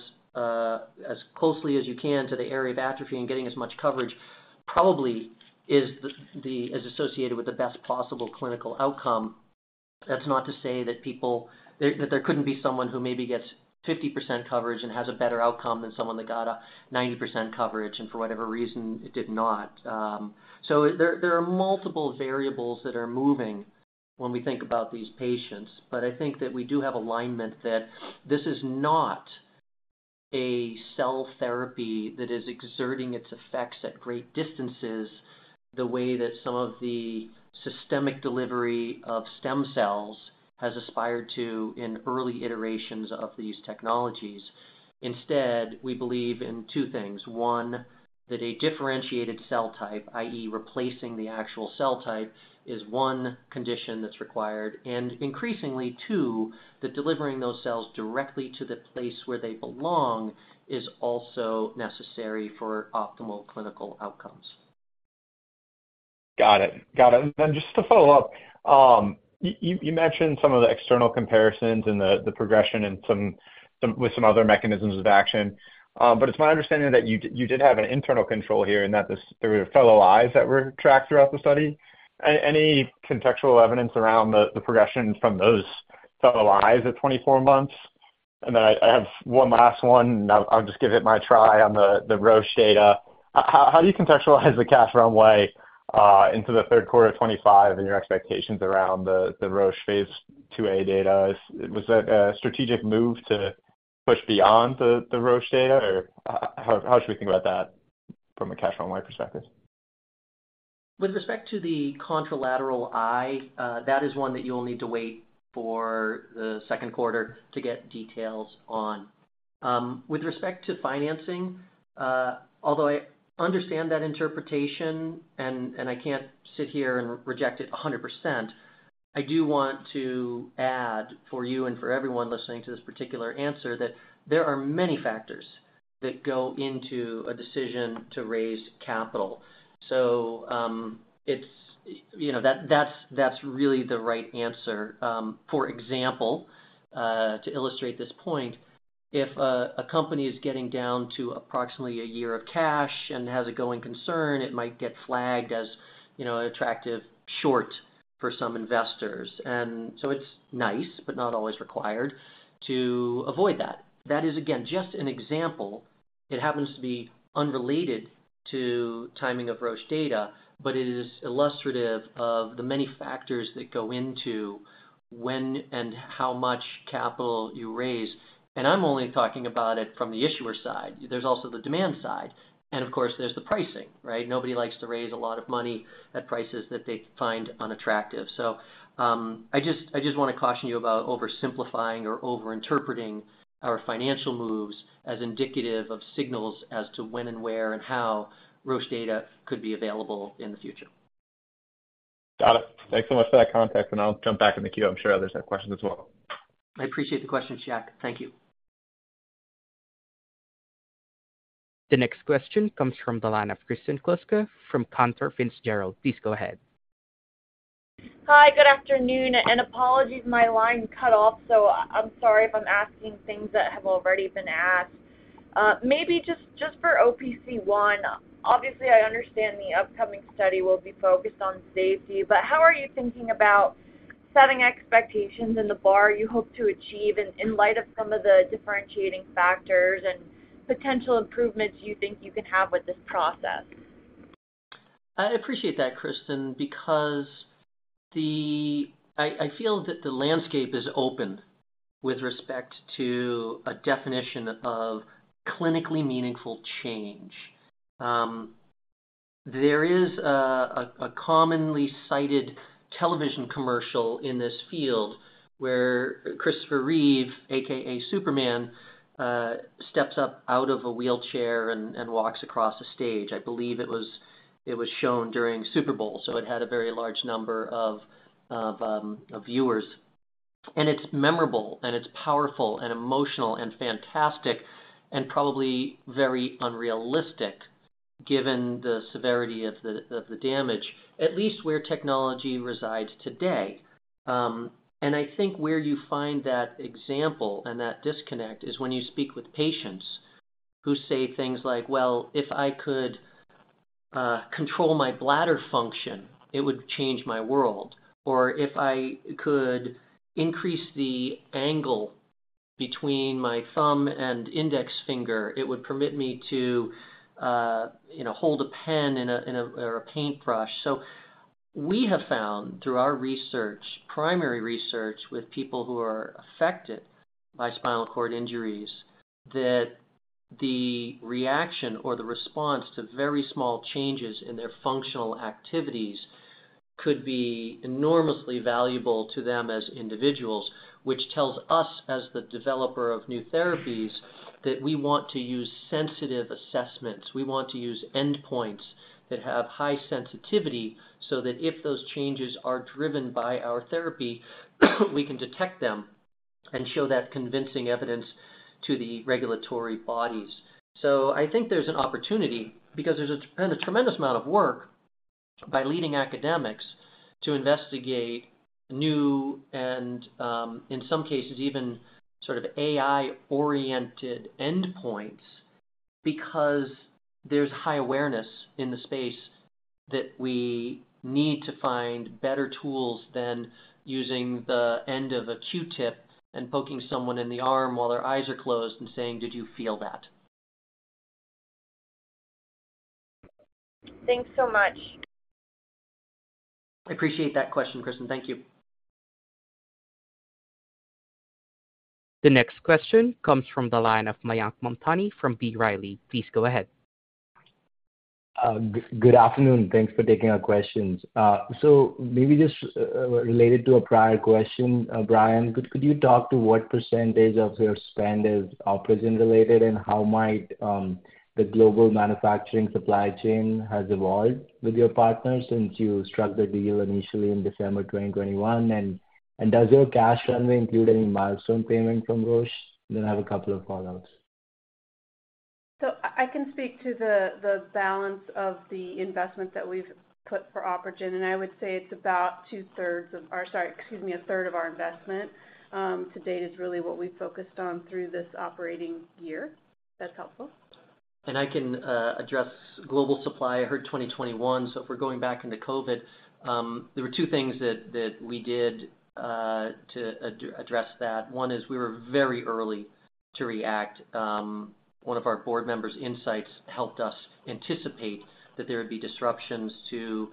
closely as you can to the area of atrophy and getting as much coverage probably is the is associated with the best possible clinical outcome. That's not to say that people... That, that there couldn't be someone who maybe gets 50% coverage and has a better outcome than someone that got a 90% coverage, and for whatever reason, it did not. So there, there are multiple variables that are moving when we think about these patients, but I think that we do have alignment that this is not a cell therapy that is exerting its effects at great distances, the way that some of the systemic delivery of stem cells has aspired to in early iterations of these technologies. Instead, we believe in two things: one, that a differentiated cell type, i.e., replacing the actual cell type, is one condition that's required. And increasingly, two, that delivering those cells directly to the place where they belong is also necessary for optimal clinical outcomes. Got it. Got it. And then just to follow up, you mentioned some of the external comparisons and the progression and some with some other mechanisms of action. But it's my understanding that you did have an internal control here, and that there were fellow eyes that were tracked throughout the study. Any contextual evidence around the progression from those fellow eyes at 24 months? And then I have one last one. I'll just give it my try on the Roche data. How do you contextualize the cash runway into the third quarter of 2025 and your expectations around the Roche Phase IIa data? Was that a strategic move to push beyond the Roche data, or how should we think about that from a cash runway perspective? With respect to the contralateral eye, that is one that you'll need to wait for the second quarter to get details on. With respect to financing, although I understand that interpretation and I can't sit here and reject it 100%, I do want to add, for you and for everyone listening to this particular answer, that there are many factors that go into a decision to raise capital. So, it's, you know, that, that's really the right answer. For example, to illustrate this point, if a company is getting down to approximately a year of cash and has a going concern, it might get flagged as, you know, an attractive short.... for some investors. And so it's nice, but not always required, to avoid that. That is, again, just an example. It happens to be unrelated to timing of Roche data, but it is illustrative of the many factors that go into when and how much capital you raise. And I'm only talking about it from the issuer side. There's also the demand side, and of course, there's the pricing, right? Nobody likes to raise a lot of money at prices that they find unattractive. So, I just wanna caution you about oversimplifying or overinterpreting our financial moves as indicative of signals as to when and where and how Roche data could be available in the future. Got it. Thanks so much for that context, and I'll jump back in the queue. I'm sure others have questions as well. I appreciate the question, Jack. Thank you. The next question comes from the line of Kristen Kluska from Cantor Fitzgerald. Please go ahead. Hi, good afternoon, and apologies, my line cut off, so I'm sorry if I'm asking things that have already been asked. Maybe just for OPC1, obviously, I understand the upcoming study will be focused on safety, but how are you thinking about setting expectations and the bar you hope to achieve in light of some of the differentiating factors and potential improvements you think you can have with this process? I appreciate that, Kristen, because I feel that the landscape is open with respect to a definition of clinically meaningful change. There is a commonly cited television commercial in this field where Christopher Reeve, AKA Superman, steps up out of a wheelchair and walks across a stage. I believe it was shown during Super Bowl, so it had a very large number of viewers. And it's memorable, and it's powerful and emotional and fantastic and probably very unrealistic, given the severity of the damage, at least where technology resides today. I think where you find that example and that disconnect is when you speak with patients who say things like, "Well, if I could control my bladder function, it would change my world," or, "If I could increase the angle between my thumb and index finger, it would permit me to, you know, hold a pen or a paintbrush." So we have found through our research, primary research, with people who are affected by spinal cord injuries, that the reaction or the response to very small changes in their functional activities could be enormously valuable to them as individuals, which tells us, as the developer of new therapies, that we want to use sensitive assessments. We want to use endpoints that have high sensitivity, so that if those changes are driven by our therapy, we can detect them and show that convincing evidence to the regulatory bodies. So I think there's an opportunity because there's a tremendous amount of work by leading academics to investigate new and, in some cases, even sort of AI-oriented endpoints, because there's high awareness in the space that we need to find better tools than using the end of a Q-tip and poking someone in the arm while their eyes are closed and saying, "Did you feel that? Thanks so much. I appreciate that question, Kristen. Thank you. The next question comes from the line of Mayank Mamtani from B. Riley. Please go ahead. Good afternoon. Thanks for taking our questions. So maybe just related to a prior question, Brian, could you talk to what percentage of your spend is OpRegen related, and how might the global manufacturing supply chain has evolved with your partners since you struck the deal initially in December 2021? And does your cash runway include any milestone payment from Roche? Then I have a couple of follow-ups. So I can speak to the balance of the investment that we've put for OpRegen, and I would say it's about two-thirds of our... Sorry, excuse me, a third of our investment, to date, is really what we focused on through this operating year. If that's helpful. I can address global supply. I heard 2021, so if we're going back into COVID, there were two things that we did to address that. One is we were very early to react. One of our board members' insights helped us anticipate that there would be disruptions to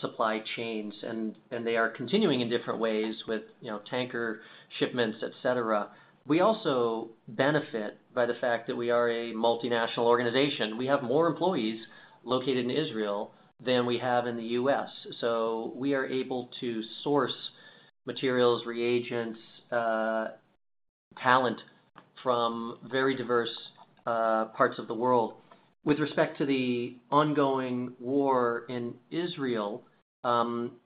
supply chains, and they are continuing in different ways with, you know, tanker shipments, et cetera. We also benefit by the fact that we are a multinational organization. We have more employees located in Israel than we have in the US, so we are able to source materials, reagents, talent from very diverse parts of the world. With respect to the ongoing war in Israel,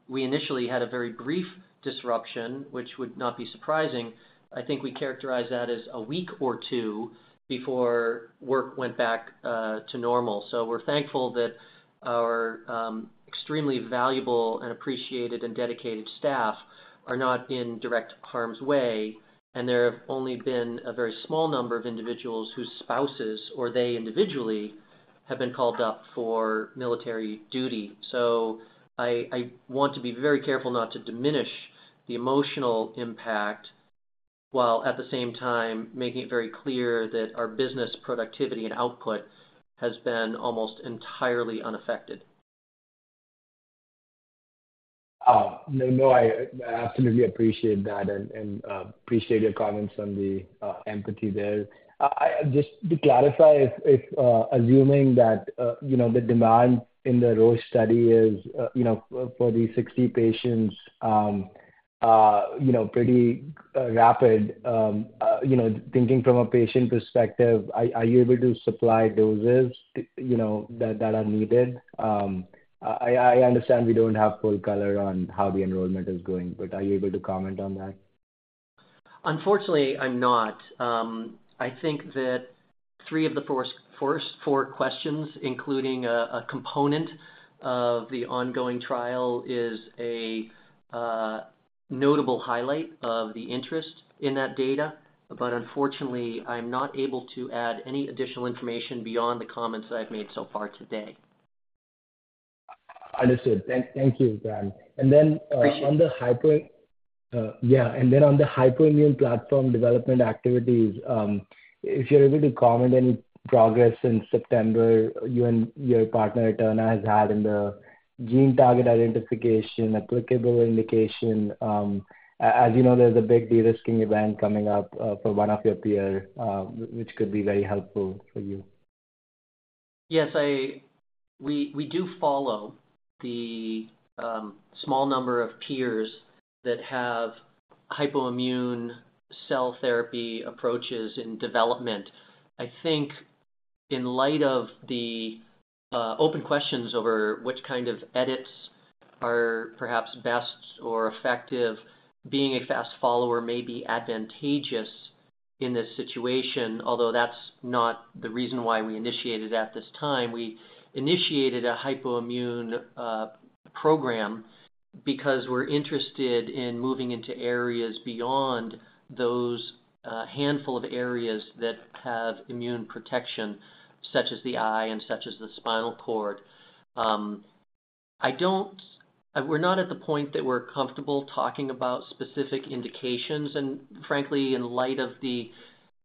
we initially had a very brief disruption, which would not be surprising. I think we characterize that as a week or two before work went back to normal. So we're thankful that our extremely valuable and appreciated and dedicated staff are not in direct harm's way, and there have only been a very small number of individuals whose spouses or they individually have been called up for military duty. So I want to be very careful not to diminish the emotional impact while at the same time, making it very clear that our business productivity and output has been almost entirely unaffected. Ah, no, no, I, I absolutely appreciate that and, and, appreciate your comments on the, empathy there. I, I just to clarify, if, if, assuming that, you know, the demand in the Roche study is, you know, for the 60 patients, you know, pretty, rapid, you know, thinking from a patient perspective, are, are you able to supply doses, you know, that, that are needed? I, I understand we don't have full color on how the enrollment is going, but are you able to comment on that? Unfortunately, I'm not. I think that three of the first four questions, including a component of the ongoing trial, is a notable highlight of the interest in that data. But unfortunately, I'm not able to add any additional information beyond the comments that I've made so far today. Understood. Thank you, Brian. Appreciate it. And then on the hypoimmune platform development activities, if you're able to comment any progress since September, you and your partner Eterna has had in the gene target identification, applicable indication, as you know, there's a big de-risking event coming up for one of your peer, which could be very helpful for you. Yes, we do follow the small number of peers that have hypoimmune cell therapy approaches in development. I think in light of the open questions over which kind of edits are perhaps best or effective, being a fast follower may be advantageous in this situation, although that's not the reason why we initiated at this time. We initiated a hypoimmune program because we're interested in moving into areas beyond those handful of areas that have immune protection, such as the eye and such as the spinal cord. We're not at the point that we're comfortable talking about specific indications, and frankly, in light of the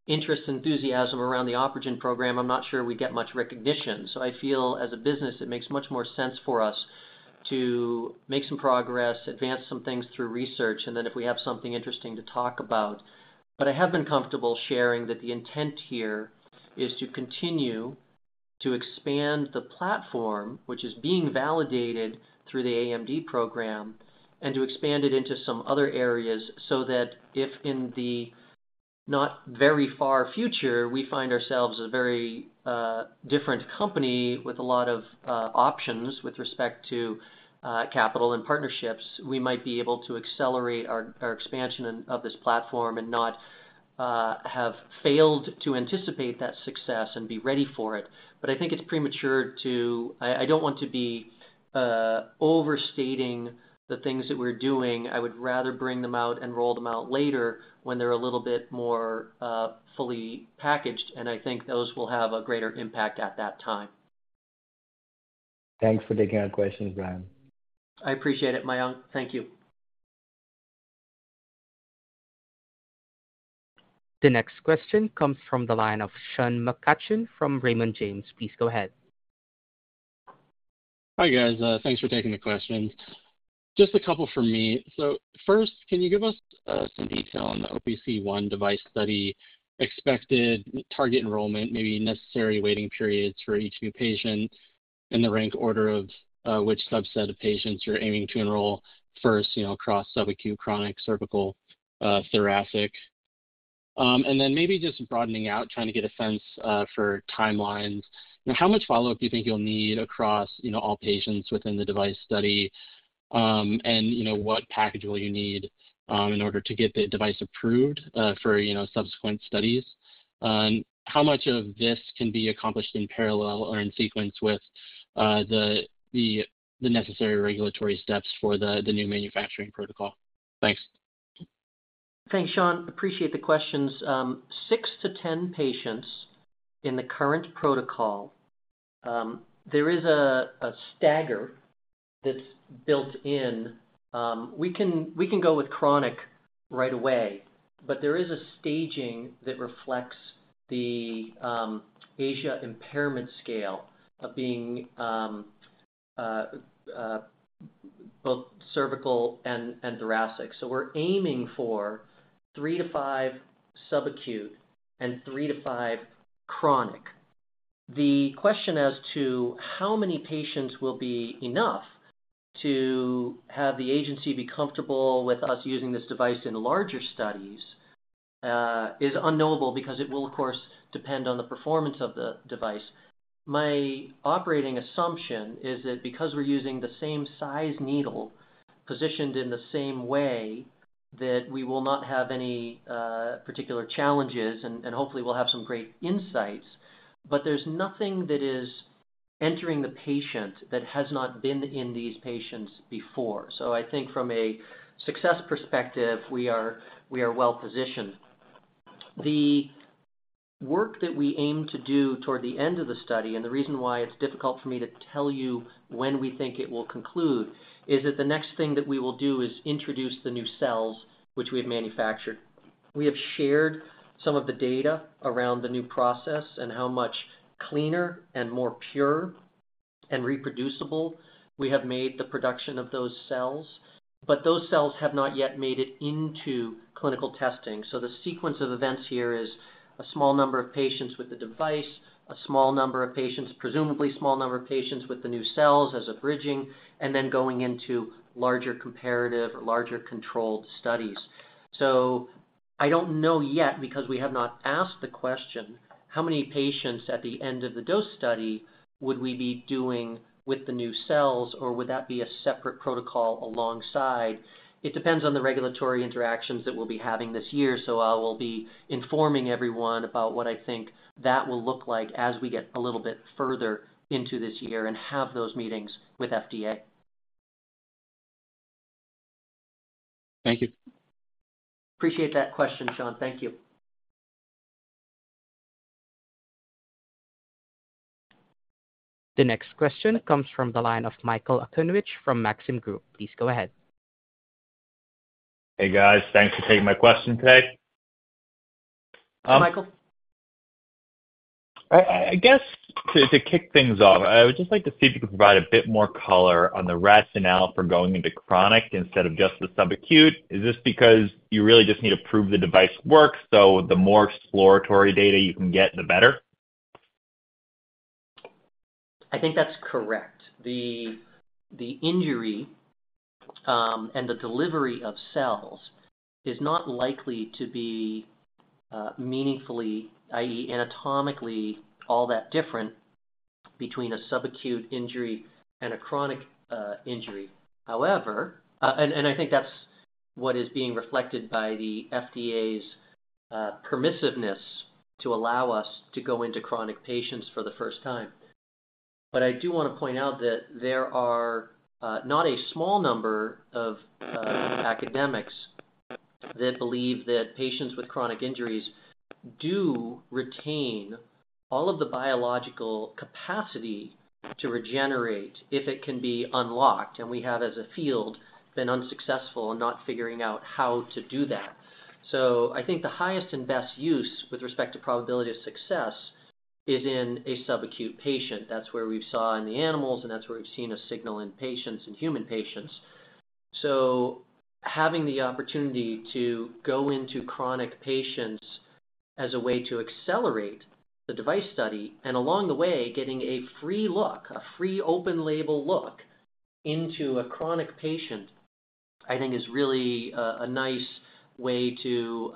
interest and enthusiasm around the OpRegen program, I'm not sure we get much recognition. So I feel as a business, it makes much more sense for us to make some progress, advance some things through research, and then if we have something interesting, to talk about. But I have been comfortable sharing that the intent here is to continue to expand the platform, which is being validated through the AMD program, and to expand it into some other areas, so that if in the not very far future, we find ourselves a very different company with a lot of options with respect to capital and partnerships, we might be able to accelerate our expansion of this platform and not have failed to anticipate that success and be ready for it. But I think it's premature to... I don't want to be overstating the things that we're doing. I would rather bring them out and roll them out later when they're a little bit more fully packaged, and I think those will have a greater impact at that time. Thanks for taking our questions, Brian. I appreciate it, Mayank. Thank you. The next question comes from the line of Sean McCutcheon from Raymond James. Please go ahead. Hi, guys, thanks for taking the questions. Just a couple from me. So first, can you give us some detail on the OPC1 device study, expected target enrollment, maybe necessary waiting periods for each new patient, and the rank order of which subset of patients you're aiming to enroll first, you know, across subacute, chronic, cervical, thoracic? And then maybe just broadening out, trying to get a sense for timelines. Now, how much follow-up do you think you'll need across, you know, all patients within the device study? And you know, what package will you need in order to get the device approved for, you know, subsequent studies? And how much of this can be accomplished in parallel or in sequence with the necessary regulatory steps for the new manufacturing protocol? Thanks. Thanks, Sean. Appreciate the questions. Six to 10 patients in the current protocol. There is a stagger that's built in. We can go with chronic right away, but there is a staging that reflects the ASIA impairment scale of being both cervical and thoracic. So we're aiming for 3-5 subacute and 3-5 chronic. The question as to how many patients will be enough to have the agency be comfortable with us using this device in larger studies is unknowable because it will, of course, depend on the performance of the device. My operating assumption is that because we're using the same size needle, positioned in the same way, that we will not have any particular challenges, and hopefully we'll have some great insights. But there's nothing that is entering the patient that has not been in these patients before. So I think from a success perspective, we are, we are well-positioned... The work that we aim to do toward the end of the study, and the reason why it's difficult for me to tell you when we think it will conclude, is that the next thing that we will do is introduce the new cells, which we have manufactured. We have shared some of the data around the new process and how much cleaner and more pure and reproducible we have made the production of those cells, but those cells have not yet made it into clinical testing. So the sequence of events here is a small number of patients with the device, a small number of patients, presumably small number of patients with the new cells as a bridging, and then going into larger comparative or larger controlled studies. So I don't know yet because we have not asked the question, how many patients at the end of the dose study would we be doing with the new cells, or would that be a separate protocol alongside? It depends on the regulatory interactions that we'll be having this year, so I will be informing everyone about what I think that will look like as we get a little bit further into this year and have those meetings with FDA. Thank you. Appreciate that question, Sean. Thank you. The next question comes from the line of Michael Okunewitch from Maxim Group. Please go ahead. Hey, guys. Thanks for taking my question today. Hi, Michael. I guess to kick things off, I would just like to see if you could provide a bit more color on the rationale for going into chronic instead of just the subacute. Is this because you really just need to prove the device works, so the more exploratory data you can get, the better? I think that's correct. The injury and the delivery of cells is not likely to be meaningfully, i.e., anatomically, all that different between a sub-acute injury and a chronic injury. However, I think that's what is being reflected by the FDA's permissiveness to allow us to go into chronic patients for the first time. But I do want to point out that there are not a small number of academics that believe that patients with chronic injuries do retain all of the biological capacity to regenerate if it can be unlocked, and we have, as a field, been unsuccessful in not figuring out how to do that. So I think the highest and best use with respect to probability of success is in a sub-acute patient. That's where we saw in the animals, and that's where we've seen a signal in patients, in human patients. So having the opportunity to go into chronic patients as a way to accelerate the device study, and along the way, getting a free look, a free open label look into a chronic patient, I think is really a nice way to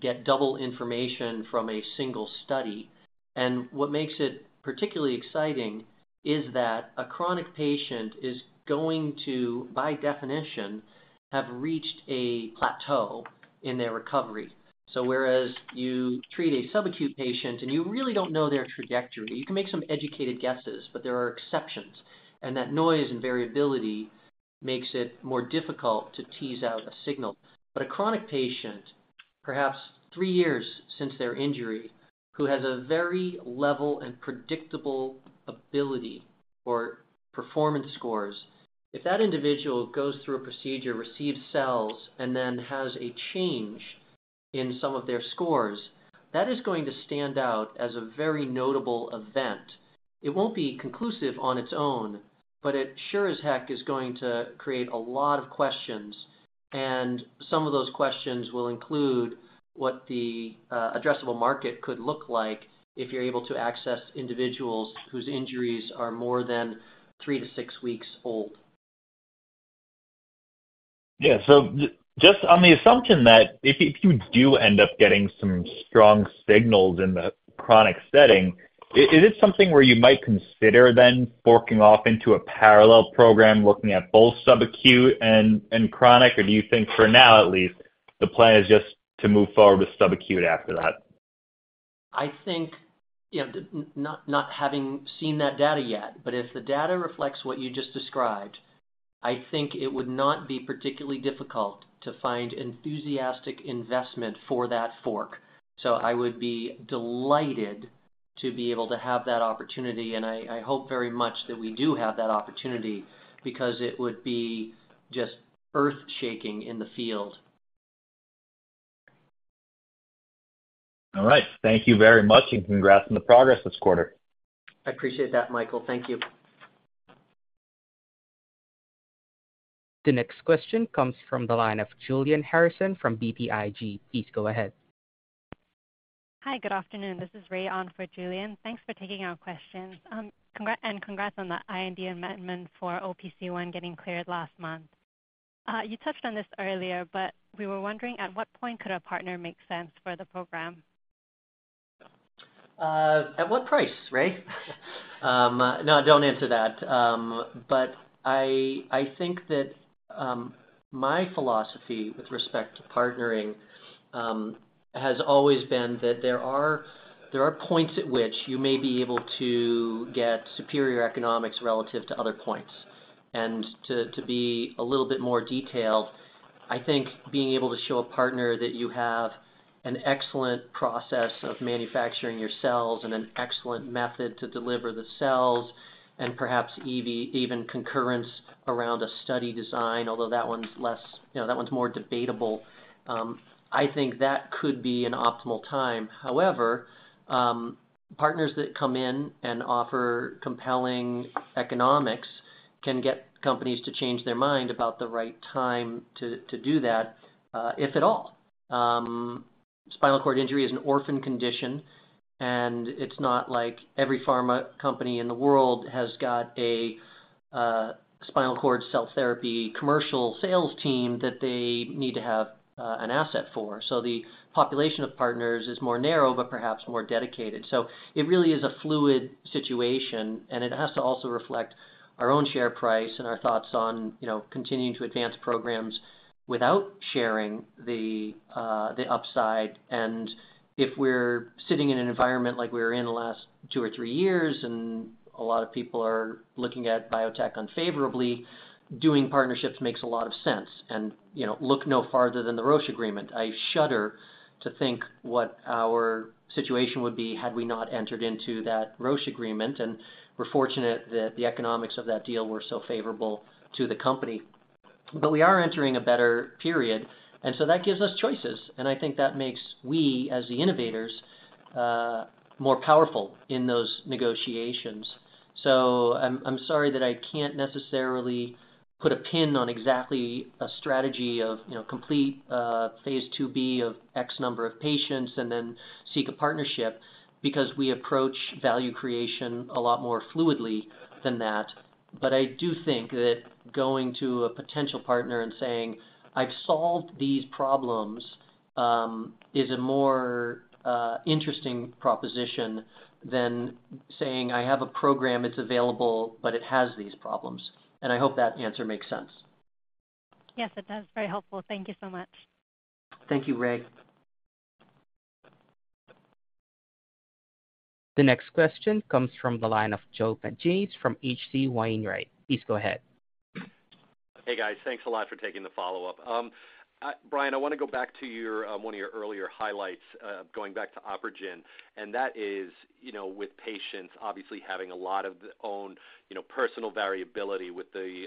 get double information from a single study. And what makes it particularly exciting is that a chronic patient is going to, by definition, have reached a plateau in their recovery. So whereas you treat a subacute patient and you really don't know their trajectory, you can make some educated guesses, but there are exceptions, and that noise and variability makes it more difficult to tease out a signal. But a chronic patient, perhaps 3 years since their injury, who has a very level and predictable ability or performance scores, if that individual goes through a procedure, receives cells, and then has a change in some of their scores, that is going to stand out as a very notable event. It won't be conclusive on its own, but it sure as heck is going to create a lot of questions, and some of those questions will include what the addressable market could look like if you're able to access individuals whose injuries are more than 3-6 weeks old. Yeah. So just on the assumption that if you do end up getting some strong signals in the chronic setting, is it something where you might consider then forking off into a parallel program, looking at both subacute and chronic? Or do you think, for now, at least, the plan is just to move forward with subacute after that? I think, you know, not having seen that data yet, but if the data reflects what you just described, I think it would not be particularly difficult to find enthusiastic investment for that fork. So I would be delighted to be able to have that opportunity, and I hope very much that we do have that opportunity because it would be just earth-shaking in the field. All right. Thank you very much, and congrats on the progress this quarter. I appreciate that, Michael. Thank you. The next question comes from the line of Julian Harrison from BTIG. Please go ahead. Hi, good afternoon. This is Ray on for Julian. Thanks for taking our questions. Congrats on the IND amendment for OPC1 getting cleared last month. You touched on this earlier, but we were wondering, at what point could a partner make sense for the program? At what price, Ray? No, don't answer that. But I think that my philosophy with respect to partnering has always been that there are points at which you may be able to get superior economics relative to other points... And to be a little bit more detailed, I think being able to show a partner that you have an excellent process of manufacturing your cells and an excellent method to deliver the cells, and perhaps even concurrence around a study design, although that one's less, you know, that one's more debatable, I think that could be an optimal time. However, partners that come in and offer compelling economics can get companies to change their mind about the right time to do that, if at all. Spinal cord injury is an orphan condition, and it's not like every pharma company in the world has got a spinal cord cell therapy commercial sales team that they need to have an asset for. So the population of partners is more narrow, but perhaps more dedicated. So it really is a fluid situation, and it has to also reflect our own share price and our thoughts on, you know, continuing to advance programs without sharing the upside. And if we're sitting in an environment like we were in the last 2 or 3 years, and a lot of people are looking at biotech unfavorably, doing partnerships makes a lot of sense. And, you know, look no farther than the Roche Agreement. I shudder to think what our situation would be had we not entered into that Roche Agreement, and we're fortunate that the economics of that deal were so favorable to the company. But we are entering a better period, and so that gives us choices, and I think that makes us, as the innovators, more powerful in those negotiations. So I'm sorry that I can't necessarily put a pin on exactly a strategy of, you know, complete phase IIb of X number of patients and then seek a partnership, because we approach value creation a lot more fluidly than that. But I do think that going to a potential partner and saying, "I've solved these problems," is a more interesting proposition than saying, "I have a program, it's available, but it has these problems." And I hope that answer makes sense. Yes, it does. Very helpful. Thank you so much. Thank you, Ray. The next question comes from the line of Joseph Pantginis from H.C. Wainwright. Please go ahead. Hey, guys. Thanks a lot for taking the follow-up. Brian, I want to go back to your one of your earlier highlights, going back to OpRegen, and that is, you know, with patients obviously having a lot of their own, you know, personal variability with the,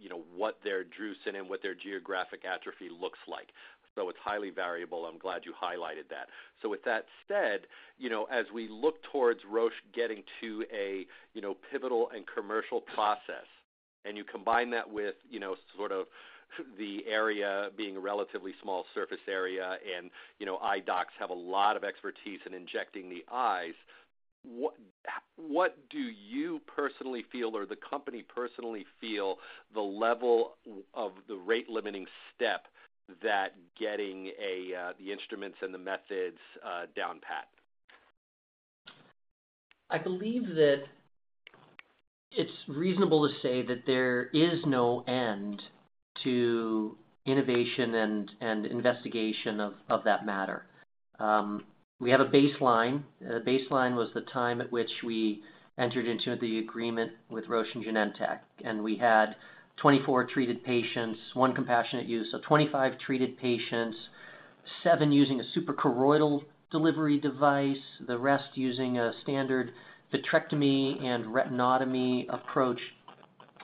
you know, what their drusen and what their geographic atrophy looks like. So it's highly variable. I'm glad you highlighted that. So with that said, you know, as we look towards Roche getting to a, you know, pivotal and commercial process, and you combine that with, you know, sort of the area being a relatively small surface area, and, you know, eye docs have a lot of expertise in injecting the eyes, what, what do you personally feel, or the company personally feel, the level of the rate-limiting step that getting a, the instruments and the methods, down pat? I believe that it's reasonable to say that there is no end to innovation and investigation of that matter. We have a baseline. The baseline was the time at which we entered into the agreement with Roche and Genentech, and we had 24 treated patients, 1 compassionate use, so 25 treated patients, 7 using a suprachoroidal delivery device, the rest using a standard vitrectomy and retinotomy approach.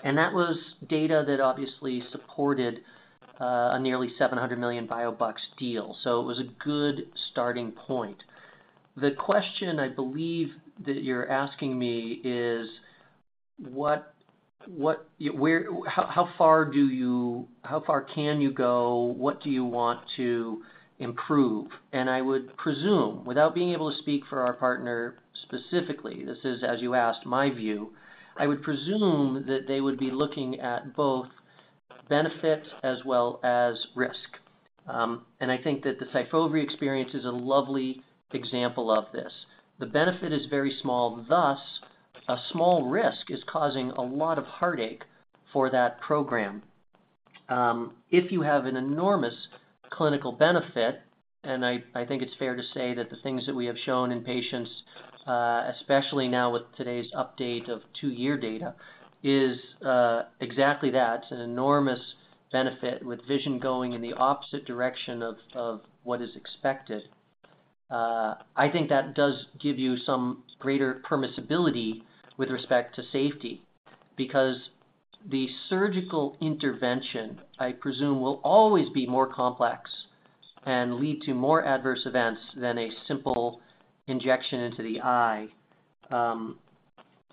That was data that obviously supported a nearly $700 million biobucks deal. So it was a good starting point. The question I believe that you're asking me is: What... How far can you go? What do you want to improve? And I would presume, without being able to speak for our partner specifically, this is, as you asked, my view. I would presume that they would be looking at both benefit as well as risk. And I think that the Syfovre experience is a lovely example of this. The benefit is very small, thus, a small risk is causing a lot of heartache for that program. If you have an enormous clinical benefit, and I think it's fair to say that the things that we have shown in patients, especially now with today's update of two-year data, is exactly that, an enormous benefit with vision going in the opposite direction of what is expected. I think that does give you some greater permissibility with respect to safety, because the surgical intervention, I presume, will always be more complex and lead to more adverse events than a simple injection into the eye.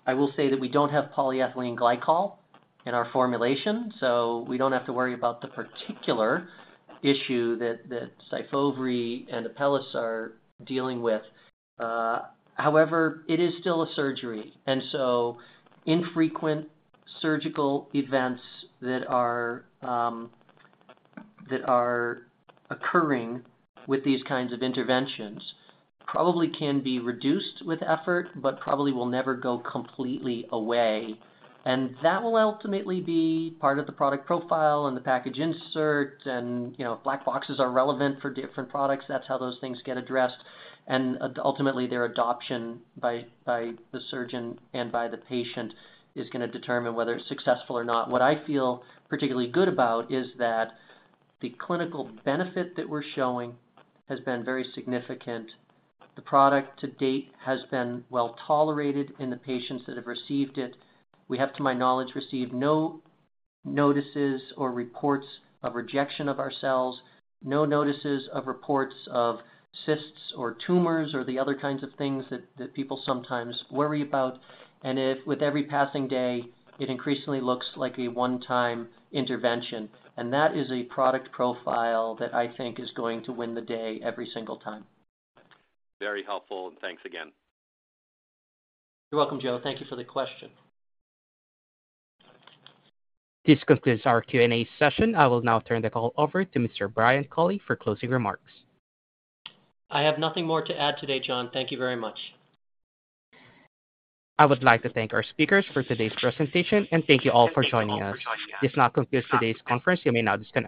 I will say that we don't have polyethylene glycol in our formulation, so we don't have to worry about the particular issue that, that Syfovre and Apellis are dealing with. However, it is still a surgery, and so infrequent surgical events that are, that are occurring with these kinds of interventions probably can be reduced with effort, but probably will never go completely away. And that will ultimately be part of the product profile and the package insert. And, you know, black boxes are relevant for different products. That's how those things get addressed. And ultimately, their adoption by, by the surgeon and by the patient is gonna determine whether it's successful or not. What I feel particularly good about is that the clinical benefit that we're showing has been very significant. The product to date has been well-tolerated in the patients that have received it. We have, to my knowledge, received no notices or reports of rejection of our cells, no notices or reports of cysts or tumors or the other kinds of things that people sometimes worry about. And if with every passing day, it increasingly looks like a one-time intervention, and that is a product profile that I think is going to win the day every single time. Very helpful, and thanks again. You're welcome, Joe. Thank you for the question. This concludes our Q&A session. I will now turn the call over to Mr. Brian Culley for closing remarks. I have nothing more to add today, John. Thank you very much. I would like to thank our speakers for today's presentation, and thank you all for joining us. This now concludes today's conference. You may now disconnect.